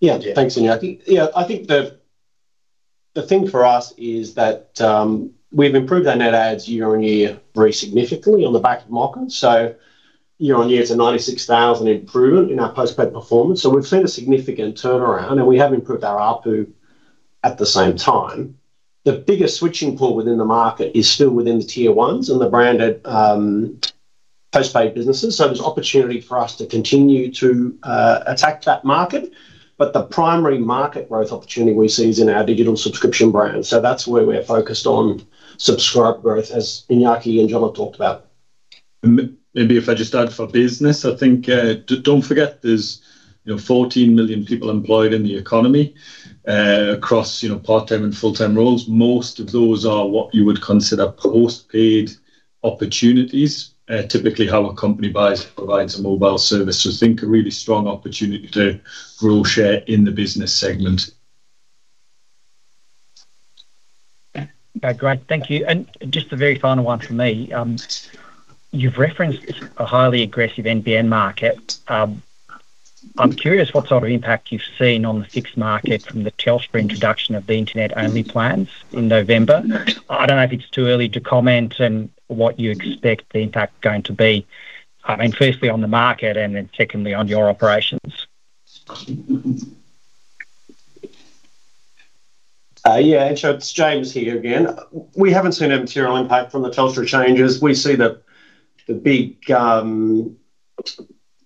Yeah. Thanks, Iñaki. Yeah, I think the thing for us is that, we've improved our net adds year-on-year very significantly on the back of MOCN. Year-on-year, it's a 96,000 improvement in our postpaid performance, so we've seen a significant turnaround, and we have improved our ARPU at the same time. The biggest switching pool within the market is still within the tier ones and the branded, postpaid businesses. There's opportunity for us to continue to attack that market, but the primary market growth opportunity we see is in our digital subscription brands. That's where we're focused on subscriber growth, as Iñaki and John have talked about. Maybe if I just add for business, I think, don't forget there's, you know, 14 million people employed in the economy, across, you know, part-time and full-time roles. Most of those are what you would consider postpaid opportunities, typically how a company buys, provides a mobile service. I think a really strong opportunity to grow share in the business segment. Okay, great. Thank you. Just a very final one from me. You've referenced a highly aggressive NBN market. I'm curious what sort of impact you've seen on the fixed market from the Telstra introduction of the internet-only plans in November. I don't know if it's too early to comment on what you expect the impact going to be, I mean, firstly, on the market and then secondly on your operations. Yeah, sure. It's James here again. We haven't seen a material impact from the Telstra changes. We see the big, you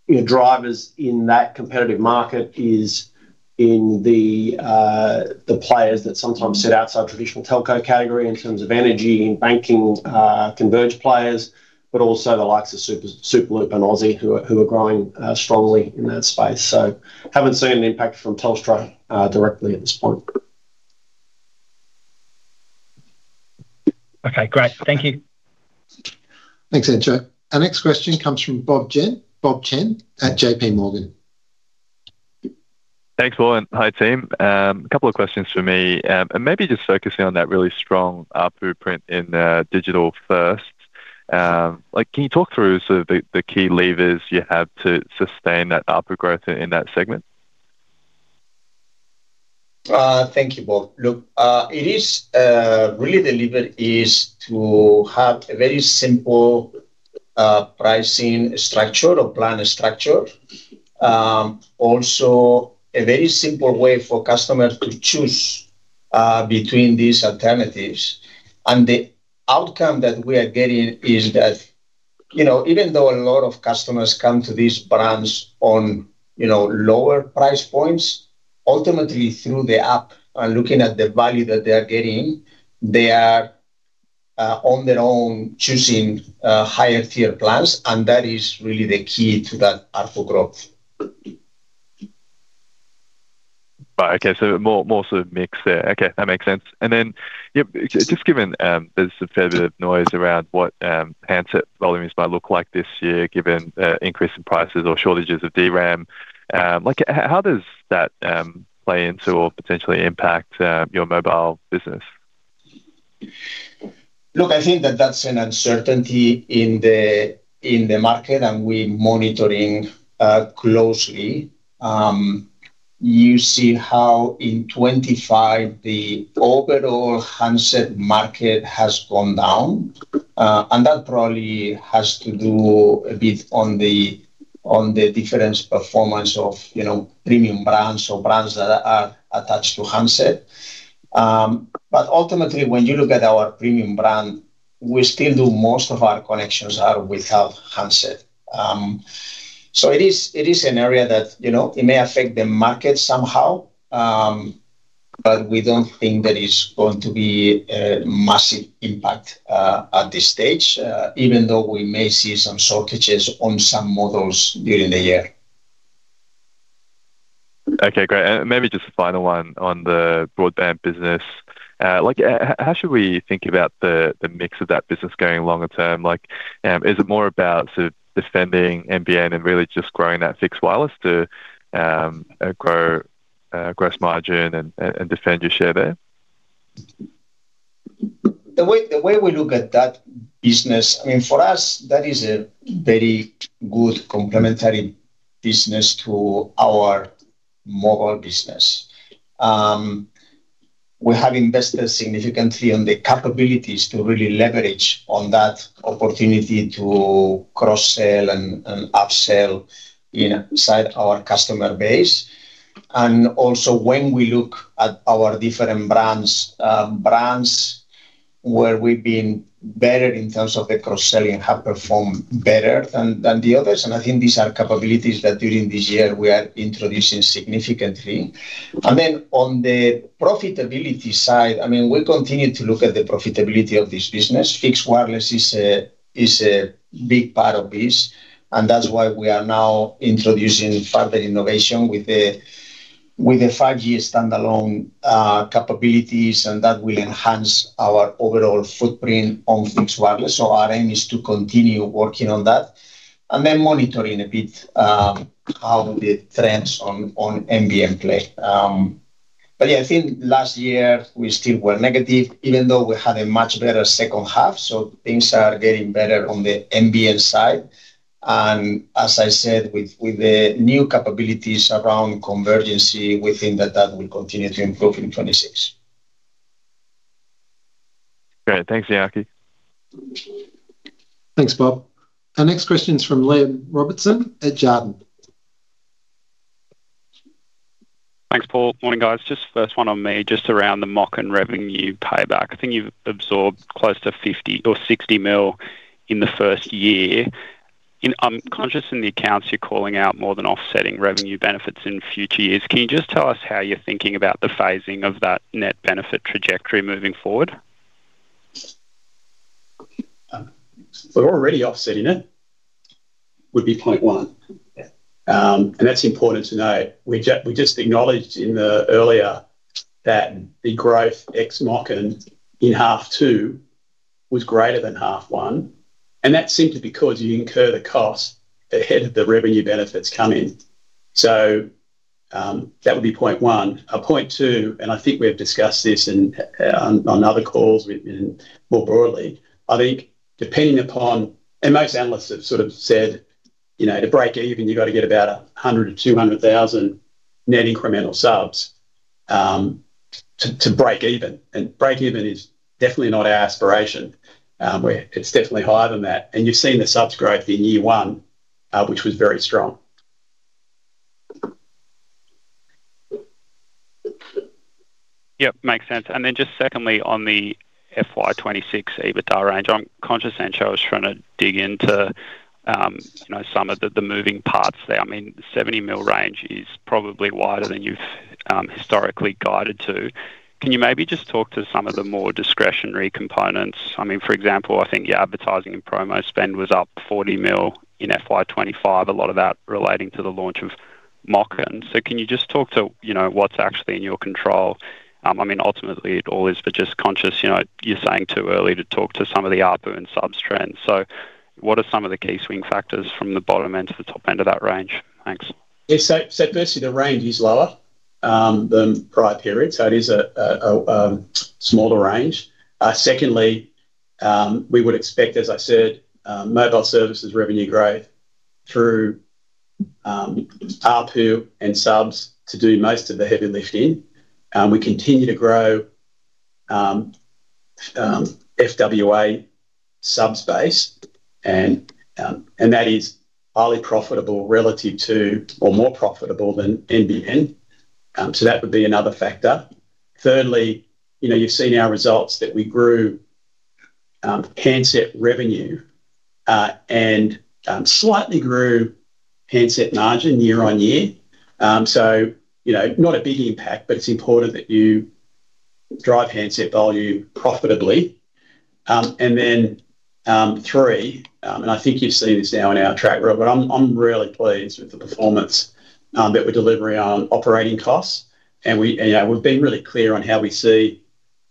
know, drivers in that competitive market is in the players that sometimes sit outside traditional telco category in terms of energy and banking, converged players, but also the likes of Superloop and Aussie, who are growing strongly in that space. Haven't seen an impact from Telstra directly at this point. Okay, great. Thank you. Thanks, Andrew. Our next question comes from Bob Chen, Bob Chen at JP Morgan. Thanks, Paul. Hi, team. A couple of questions from me. Maybe just focusing on that really strong ARPU print in the digital first. Like, can you talk through sort of the key levers you have to sustain that ARPU growth in that segment? Thank you, Bob. Look, really the lever is to have a very simple pricing structure or plan structure. Also a very simple way for customers to choose between these alternatives. The outcome that we are getting is that, you know, even though a lot of customers come to these brands on, you know, lower price points, ultimately through the app and looking at the value that they are getting, they are on their own choosing higher tier plans, and that is really the key to that ARPU growth. Right. Okay, more sort of mix there. Okay, that makes sense. Yep, just given there's a fair bit of noise around what handset volumes might look like this year, given increase in prices or shortages of DRAM. Like, how does that play into or potentially impact your mobile business? Look, I think that that's an uncertainty in the market, and we're monitoring closely. You see how in 2025, the overall handset market has gone down, and that probably has to do a bit on the different performance of, you know, premium brands or brands that are attached to handset. Ultimately, when you look at our premium brand, we still do most of our connections are without handset. It is an area that, you know, it may affect the market somehow, but we don't think that it's going to be a massive impact at this stage, even though we may see some shortages on some models during the year. Okay, great. Maybe just the final one on the broadband business. Like, how should we think about the mix of that business going longer term? Like, is it more about sort of defending NBN and really just growing that fixed wireless to grow gross margin and defend your share there? The way we look at that business, I mean, for us, that is a very good complementary business to our mobile business. We have invested significantly on the capabilities to really leverage on that opportunity to cross-sell and upsell inside our customer base. Also, when we look at our different brands where we've been better in terms of the cross-selling have performed better than the others, and I think these are capabilities that during this year we are introducing significantly. Then, on the profitability side, I mean, we continue to look at the profitability of this business. Fixed wireless is a big part of this, and that's why we are now introducing further innovation with the 5G Standalone capabilities, and that will enhance our overall footprint on fixed wireless. Our aim is to continue working on that and then monitoring a bit how the trends on NBN play. Yeah, I think last year we still were negative, even though we had a much better second half, so things are getting better on the NBN side. As I said, with the new capabilities around convergence, we think that that will continue to improve in 2026. Great. Thanks, Iñaki. Thanks, Bob. Our next question is from Liam Robertson at Jarden. Thanks, Paul. Morning, guys. Just first one on me, just around the MOCN and revenue payback. I think you've absorbed close to 50 million or 60 million in the first year. I'm conscious in the accounts you're calling out more than offsetting revenue benefits in future years. Can you just tell us how you're thinking about the phasing of that net benefit trajectory moving forward? We're already offsetting it, would be point 1. That's important to note. We just acknowledged in the earlier that the growth ex-MOCN in half 2 was greater than half 1, and that's simply because you incur the cost ahead of the revenue benefits come in. That would be point 1. Point 2, I think we've discussed this in, on other calls with, and more broadly, I think depending upon... Most analysts have sort of said, "You know, to break even, you've got to get about 100,000-200,000 net incremental subs to break even." Break even is definitely not our aspiration. It's definitely higher than that. You've seen the subs growth in year 1, which was very strong. Yep, makes sense. Just secondly, on the FY 2026 EBITDA range, I'm conscious, Angelo, I was trying to dig into, you know, some of the moving parts there. I mean, 70 million range is probably wider than you've historically guided to. Can you maybe just talk to some of the more discretionary components? I mean, for example, I think your advertising and promo spend was up 40 million in FY 2025, a lot of that relating to the launch of MOCN. Can you just talk to, you know, what's actually in your control? I mean, ultimately, it all is, but just conscious, you know, you're saying too early to talk to some of the ARPU and subs trends. What are some of the key swing factors from the bottom end to the top end of that range? Thanks. Firstly, the range is lower than prior periods, so it is a smaller range. Secondly, we would expect, as I said, mobile services revenue growth through ARPU and subs to do most of the heavy lifting. We continue to grow FWA subs base, and that is highly profitable relative to or more profitable than NBN. That would be another factor. Thirdly, you know, you've seen our results that we grew handset revenue, and slightly grew handset margin year-over-year. You know, not a big impact, but it's important that you drive handset volume profitably. Then, three, and I think you've seen this now in our track record, but I'm really pleased with the performance that we're delivering on operating costs, and we, you know, we've been really clear on how we see,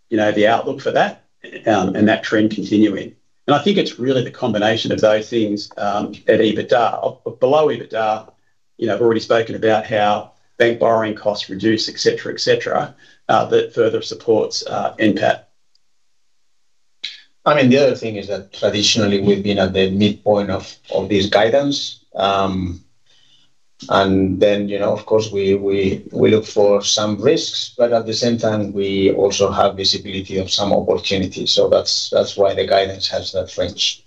you know, the outlook for that, and that trend continuing. I think it's really the combination of those things, at EBITDA. Below EBITDA, you know, I've already spoken about how bank borrowing costs reduce, et cetera, et cetera, that further supports NPAT. I mean, the other thing is that traditionally we've been at the midpoint of this guidance. You know, of course, we look for some risks, but at the same time, we also have visibility of some opportunities. That's why the guidance has that range.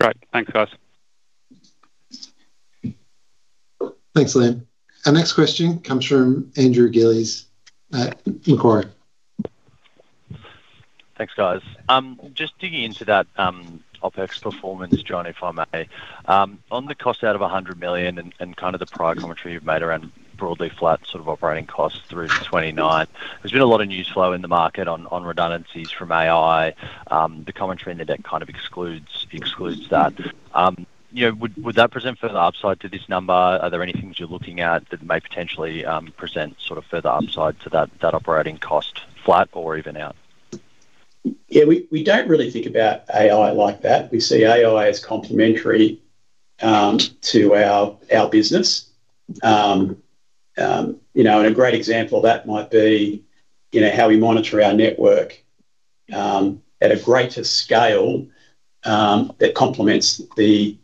Great. Thanks, guys. Thanks, Liam. Our next question comes from Andrew Gillies at Macquarie. Thanks, guys. Just digging into that OpEx performance, John, if I may. On the cost out of 100 million and kind of the prior commentary you've made around broadly flat sort of operating costs through 2029, there's been a lot of news flow in the market on redundancies from AI. The commentary in the deck kind of excludes that. You know, would that present further upside to this number? Are there any things you're looking at that may potentially present sort of further upside to that operating cost flat or even out? We don't really think about AI like that. We see AI as complementary to our business. You know, a great example of that might be, you know, how we monitor our network at a greater scale that complements the,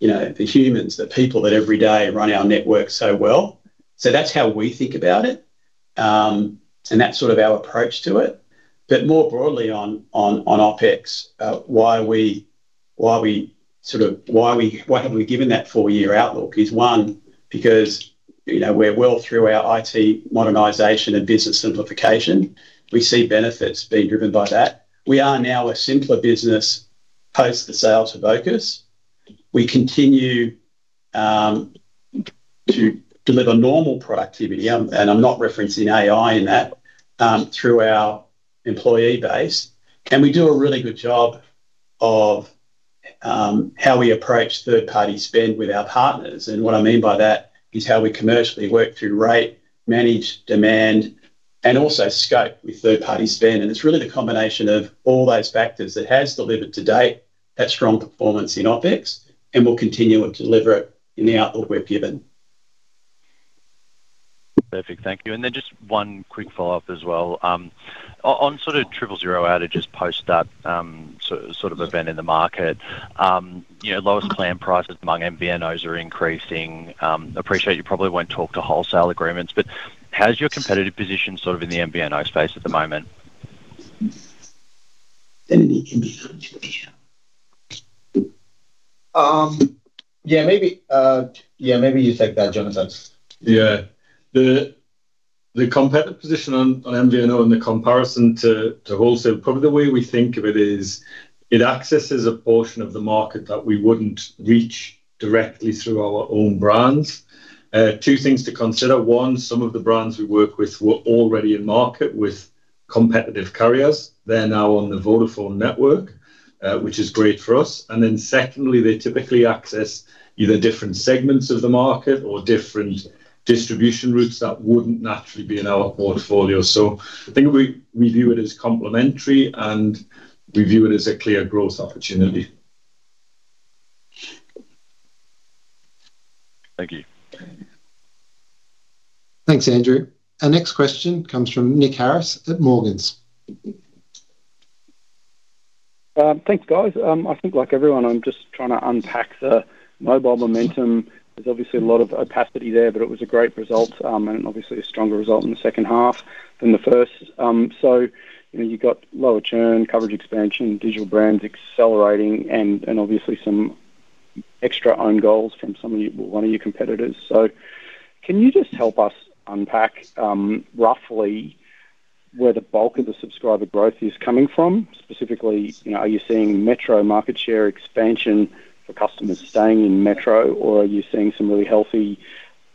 you know, the humans, the people that every day run our network so well. That's how we think about it. That's sort of our approach to it. More broadly on OpEx, why have we given that 4-year outlook is, 1, because, you know, we're well through our IT modernization and business simplification. We see benefits being driven by that. We are now a simpler business post the sale to Vocus. We continue to deliver normal productivity, and I'm not referencing AI in that, through our employee base, and we do a really good job of how we approach third-party spend with our partners. What I mean by that is how we commercially work through rate, manage demand, and also scope with third-party spend. It's really the combination of all those factors that has delivered to date that strong performance in OpEx, and we'll continue to deliver it in the outlook we've given. Perfect. Thank you. Then just one quick follow-up as well. On sort of 000 outages post that sort of event in the market, you know, lowest plan prices among MVNOs are increasing. Appreciate you probably won't talk to wholesale agreements, but how's your competitive position in the MVNO space at the moment? Yeah, maybe you take that, Jonathan. Yeah. The competitive position on MVNO and the comparison to wholesale, probably the way we think of it is it accesses a portion of the market that we wouldn't reach directly through our own brands. Two things to consider. One, some of the brands we work with were already in market with competitive carriers. They're now on the Vodafone network, which is great for us. Secondly, they typically access either different segments of the market or different distribution routes that wouldn't naturally be in our portfolio. I think we view it as complementary, and we view it as a clear growth opportunity. Thank you. Thanks, Andrew. Our next question comes from Nick Harris at Morgans. Thanks, guys. I think like everyone, I'm just trying to unpack the mobile momentum. There's obviously a lot of opacity there, but it was a great result, and obviously a stronger result in the second half than the first. You know, you've got lower churn, coverage expansion, digital brands accelerating, and obviously some extra own goals from some of your, well, one of your competitors. Can you just help us unpack, roughly where the bulk of the subscriber growth is coming from? Specifically, you know, are you seeing metro market share expansion for customers staying in metro, or are you seeing some really healthy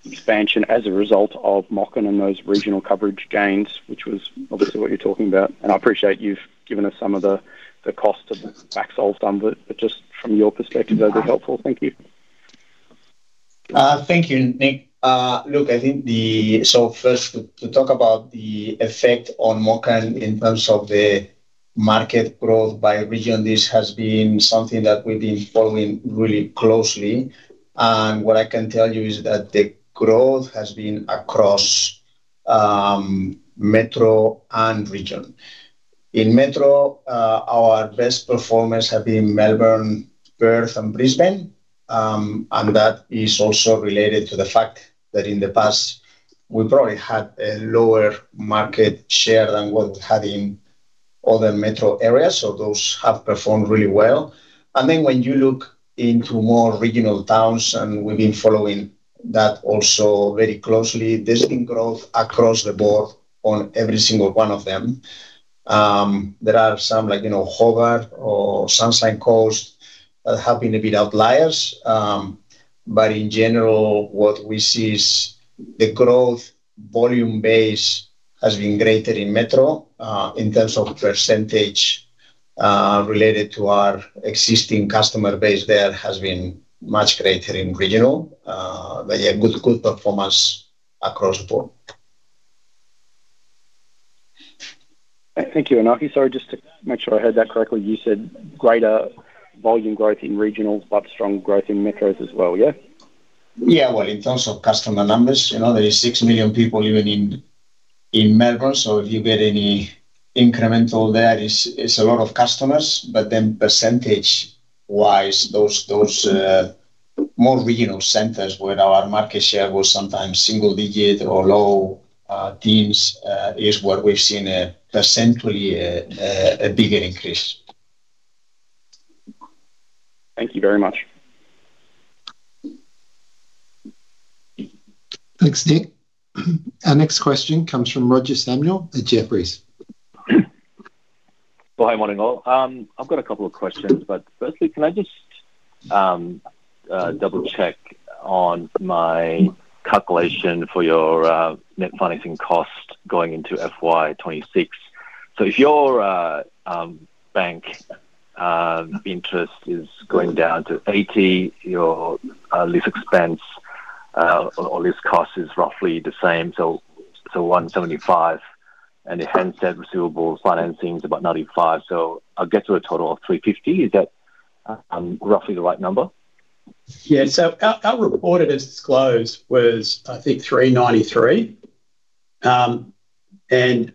expansion as a result of MOCN and those regional coverage gains, which was obviously what you're talking about? I appreciate you've given us some of the cost of the backhaul done, but just from your perspective, that'd be helpful. Thank you. Thank you, Nick. Look, I think. First, to talk about the effect on MOCN in terms of the market growth by region, this has been something that we've been following really closely, and what I can tell you is that the growth has been across metro and region. In metro, our best performers have been Melbourne, Perth, and Brisbane. That is also related to the fact that in the past we probably had a lower market share than what we had in other metro areas, so those have performed really well. When you look into more regional towns, and we've been following that also very closely, there's been growth across the board on every single one of them. There are some like, you know, Hobart or Sunshine Coast, that have been a bit outliers. In general, what we see is the growth volume base has been greater in metro. In terms of percentage, related to our existing customer base there, has been much greater in regional. Yeah, good performance across the board. Thank you, Iñaki. Sorry, just to make sure I heard that correctly. You said greater volume growth in regionals, but strong growth in metros as well, yeah? Yeah. In terms of customer numbers, you know, there is 6 million people living in Melbourne, so if you get any incremental there, it's a lot of customers. Percentage-wise, those, more regional centers where our market share was sometimes single digit or low, teens, is where we've seen a percentually, a bigger increase. Thank you very much. Thanks, Nick. Our next question comes from Roger Samuel at Jefferies. Well, hi. Morning, all. I've got a couple of questions, but firstly, can I just double-check on my calculation for your net financing cost going into FY 2026? If your bank interest is going down to 80, your lease cost is roughly the same, so 175, and the handset receivable financing is about 95. I'll get to a total of 350. Is that roughly the right number? Yeah. Our reported as disclosed was 393.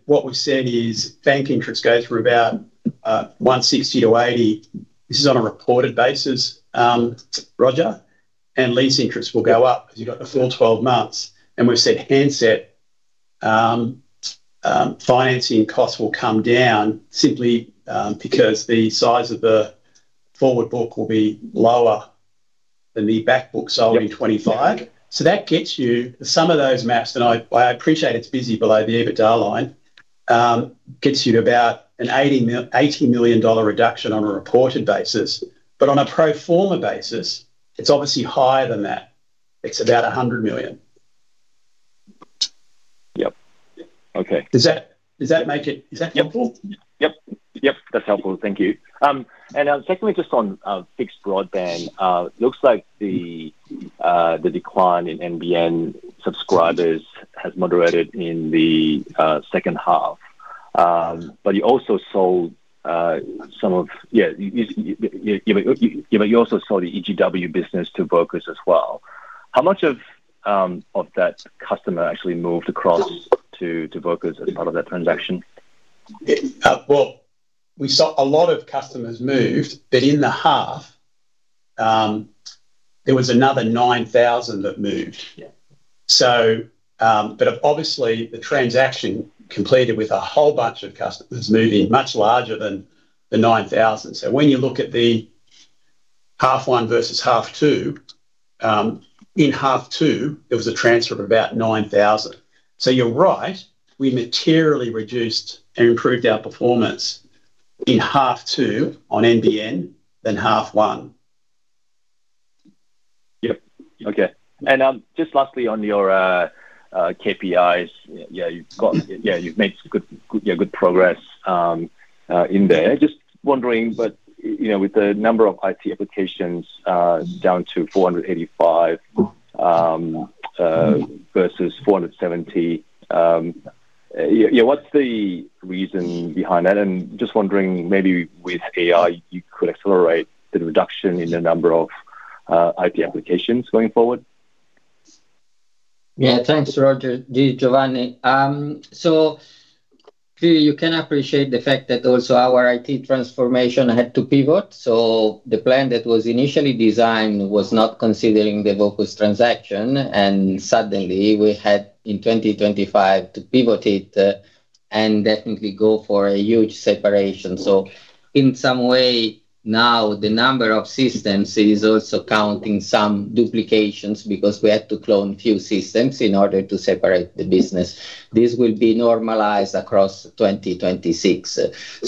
What we've said is bank interest goes from about 160 to 80. This is on a reported basis, Roger, lease interest will go up because you've got the full 12 months. We've said handset financing costs will come down simply because the size of the forward book will be lower than the back book. Yep. in 2025. That gets you the sum of those math, and I appreciate it's busy below the EBITDA line, gets you to about an 80 million dollar reduction on a reported basis. On a pro forma basis, it's obviously higher than that. It's about 100 million. Yep. Okay. Does that? Yep. Is that helpful? Yep. Yep, that's helpful. Thank you. Secondly, just on fixed broadband. It looks like the decline in NBN subscribers has moderated in the second half. You also sold the EGW business to Vocus as well. How much of that customer actually moved across to Vocus as part of that transaction? Well, we saw a lot of customers move, but in the half, there was another 9,000 that moved. Yeah. Obviously, the transaction completed with a whole bunch of customers moving, much larger than the 9,000. When you look at the half one versus half two, in half two, it was a transfer of about 9,000. You're right, we materially reduced and improved our performance in half two on NBN than half one. Yep. Okay. Just lastly on your KPIs. You've made good progress in there. Just wondering, you know, with the number of IT applications down to 485 versus 470, what's the reason behind that? Just wondering, maybe with AI, you could accelerate the reduction in the number of IT applications going forward. Yeah. Thanks, Roger, You can appreciate the fact that also our IT transformation had to pivot. The plan that was initially designed was not considering the Vocus transaction, and suddenly we had, in 2025, to pivot it, and definitely go for a huge separation. In some way, now, the number of systems is also counting some duplications because we had to clone a few systems in order to separate the business. This will be normalized across 2026.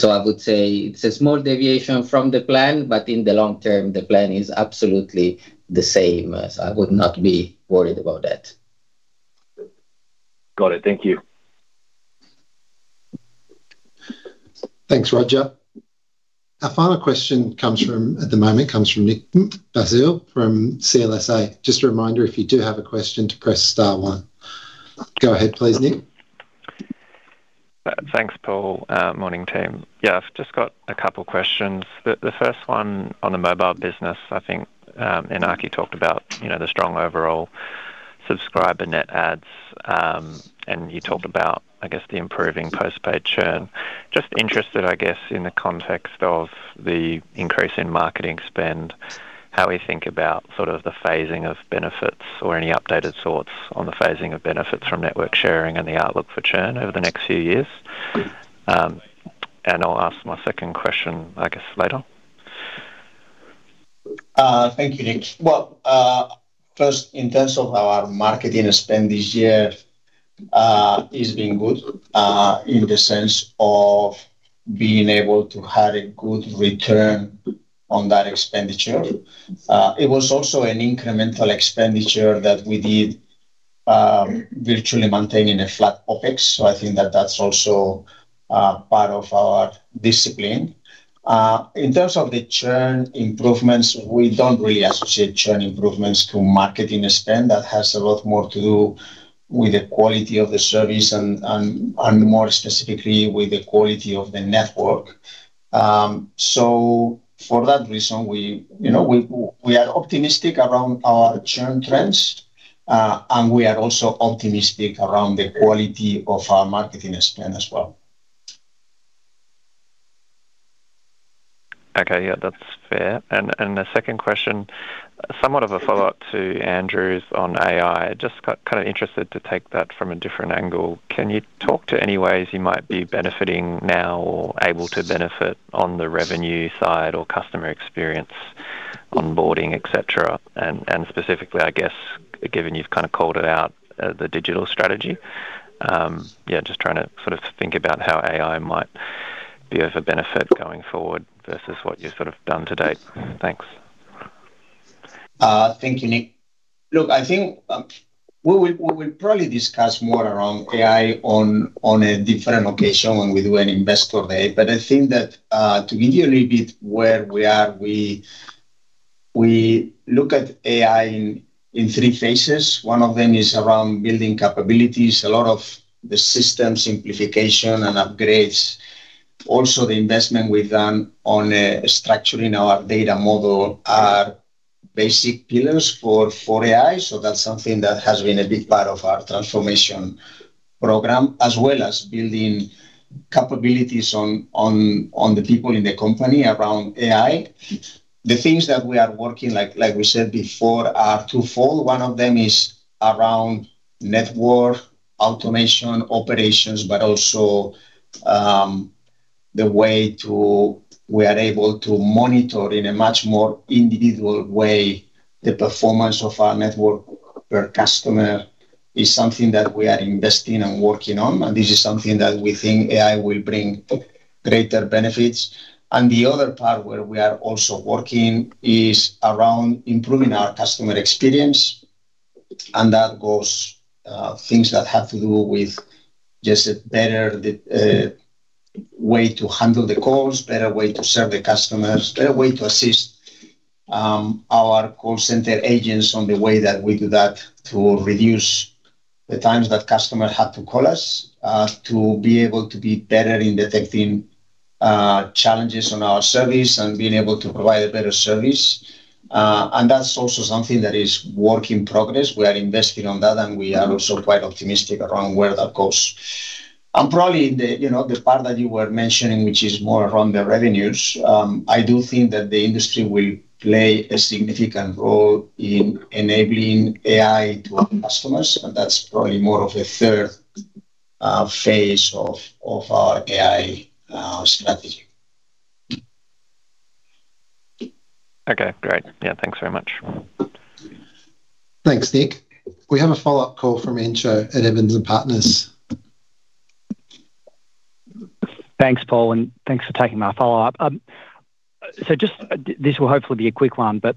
I would say it's a small deviation from the plan, but in the long term, the plan is absolutely the same. I would not be worried about that. Got it. Thank you. Thanks, Roger. Our final question, at the moment, comes from Nick Basile from CLSA. Just a reminder, if you do have a question, to press star one. Go ahead, please, Nick. Thanks, Paul. Morning, team. Yeah, I've just got a couple questions. The first one on the mobile business, I think, Iñaki talked about, you know, the strong overall subscriber net adds, and you talked about, I guess, the improving postpaid churn. Just interested, I guess, in the context of the increase in marketing spend, how we think about sort of the phasing of benefits or any updated thoughts on the phasing of benefits from network sharing and the outlook for churn over the next few years? I'll ask my second question, I guess, later. Thank you, Nick. Well, first, in terms of our marketing spend this year, it's been good, in the sense of being able to have a good return on that expenditure. It was also an incremental expenditure that we did, virtually maintaining a flat OpEx. I think that that's also part of our discipline. In terms of the churn improvements, we don't really associate churn improvements to marketing spend. That has a lot more to do with the quality of the service and more specifically, with the quality of the network. For that reason, we, you know, we are optimistic around our churn trends, and we are also optimistic around the quality of our marketing spend as well. Okay, yeah, that's fair. The second question, somewhat of a follow-up to Andrew's on AI. Just kind of interested to take that from a different angle. Can you talk to any ways you might be benefiting now or able to benefit on the revenue side or customer experience, onboarding, et cetera? Specifically, I guess, given you've kind of called it out, the digital strategy. Yeah, just trying to sort of think about how AI might be of a benefit going forward versus what you've sort of done to date. Thanks. Thank you, Nick. Look, I think, we will probably discuss more around AI on a different occasion when we do an investor day. I think that, to give you a little bit where we are, we look at AI in three phases. One of them is around building capabilities. A lot of the system simplification and upgrades, also the investment we've done on structuring our data model are basic pillars for AI. That's something that has been a big part of our transformation program, as well as building capabilities on the people in the company around AI. The things that we are working, like we said before, are twofold. One of them is around network automation operations, but also, the way to monitor in a much more individual way, the performance of our network per customer is something that we are investing and working on, and this is something that we think AI will bring greater benefits. The other part where we are also working is around improving our customer experience, and that goes, things that have to do with just a better way to handle the calls, better way to serve the customers, better way to assist our call center agents on the way that we do that, to reduce the times that customer have to call us. To be able to be better in detecting challenges on our service and being able to provide a better service. That's also something that is work in progress. We are investing on that, and we are also quite optimistic around where that goes. Probably the, you know, the part that you were mentioning, which is more around the revenues, I do think that the industry will play a significant role in enabling AI to our customers, and that's probably more of a third phase of our AI strategy. Okay, great. Thanks very much. Thanks, Nick. We have a follow-up call from Entcho at Evans and Partners. Thanks, Paul, and thanks for taking my follow-up. This will hopefully be a quick one, but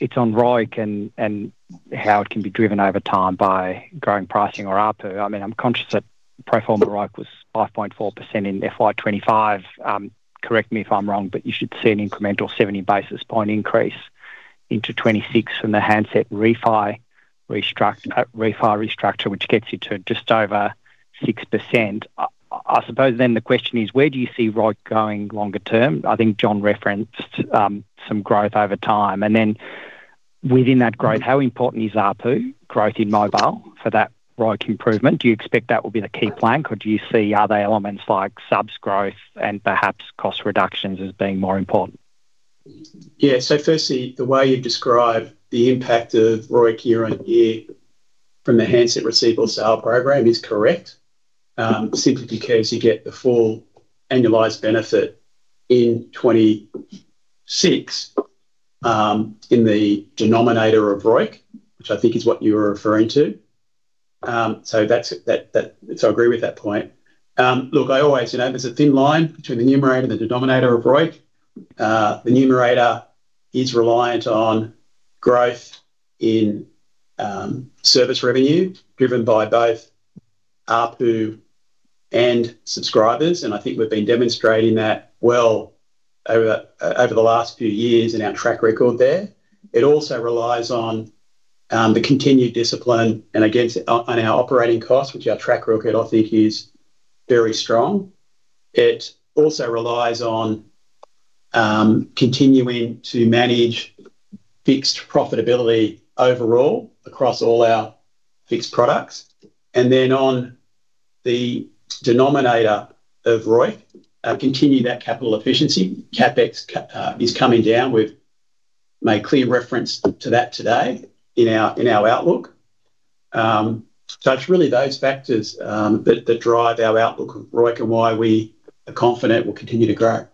it's on ROIC and how it can be driven over time by growing pricing or ARPU. I mean, I'm conscious that pro forma ROIC was 5.4% in FY 2025. Correct me if I'm wrong, but you should see an incremental 70 basis point increase into 2026 from the handset refi restructure, which gets you to just over 6%. I suppose the question is: where do you see ROIC going longer term? I think John referenced some growth over time. Within that growth, how important is ARPU growth in mobile for that ROIC improvement? Do you expect that will be the key plank, or do you see other elements like subs growth and perhaps cost reductions as being more important? Yeah. Firstly, the way you've described the impact of ROIC year on year from the handset receivable sale program is correct, simply because you get the full annualized benefit in 26, in the denominator of ROIC, which I think is what you were referring to. That's... I agree with that point. Look, I always, you know, there's a thin line between the numerator and the denominator of ROIC. The numerator is reliant on growth in service revenue, driven by both ARPU and subscribers, and I think we've been demonstrating that well over the last few years in our track record there. It also relies on the continued discipline and against on our operating costs, which our track record, I think, is very strong. It also relies on continuing to manage fixed profitability overall across all our fixed products, and then on the denominator of ROIC, continue that capital efficiency. CapEx is coming down. We've made clear reference to that today in our, in our outlook. It's really those factors that drive our outlook on ROIC and why we are confident will continue to grow.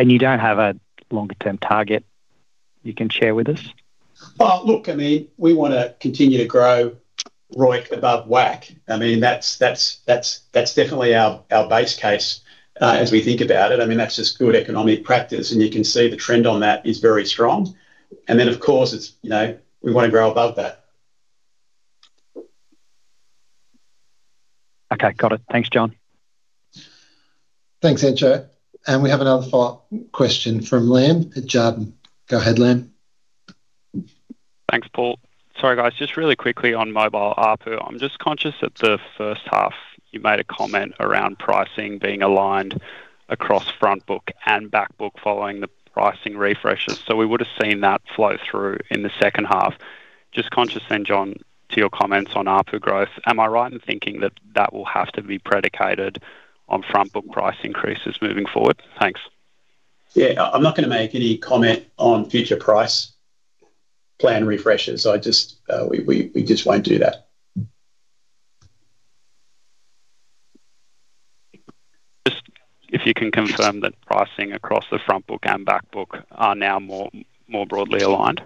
You don't have a longer-term target you can share with us? Well, look, I mean, we wanna continue to grow ROIC above WACC. I mean, that's definitely our base case as we think about it. I mean, that's just good economic practice, and you can see the trend on that is very strong. Of course, it's, you know, we want to grow above that. Okay. Got it. Thanks, John. Thanks, Entcho. We have another follow-up question from Lam at Jarden. Go ahead, Lam. Thanks, Paul. Sorry, guys. Just really quickly on mobile ARPU, I'm just conscious that the first half, you made a comment around pricing being aligned across frontbook and backbook, following the pricing refreshes. We would've seen that flow through in the second half. John, to your comments on ARPU growth, am I right in thinking that that will have to be predicated on frontbook price increases moving forward? Thanks. Yeah. I'm not going to make any comment on future price plan refreshes. I just, we just won't do that. Just if you can confirm that pricing across the frontbook and backbook are now more, more broadly aligned.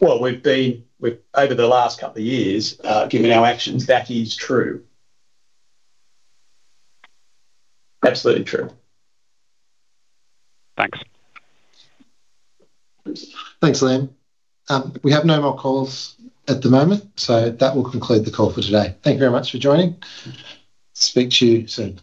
Well, over the last couple of years, given our actions, that is true. Absolutely true. Thanks. Thanks, Lam. We have no more calls at the moment, so that will conclude the call for today. Thank you very much for joining. Speak to you soon.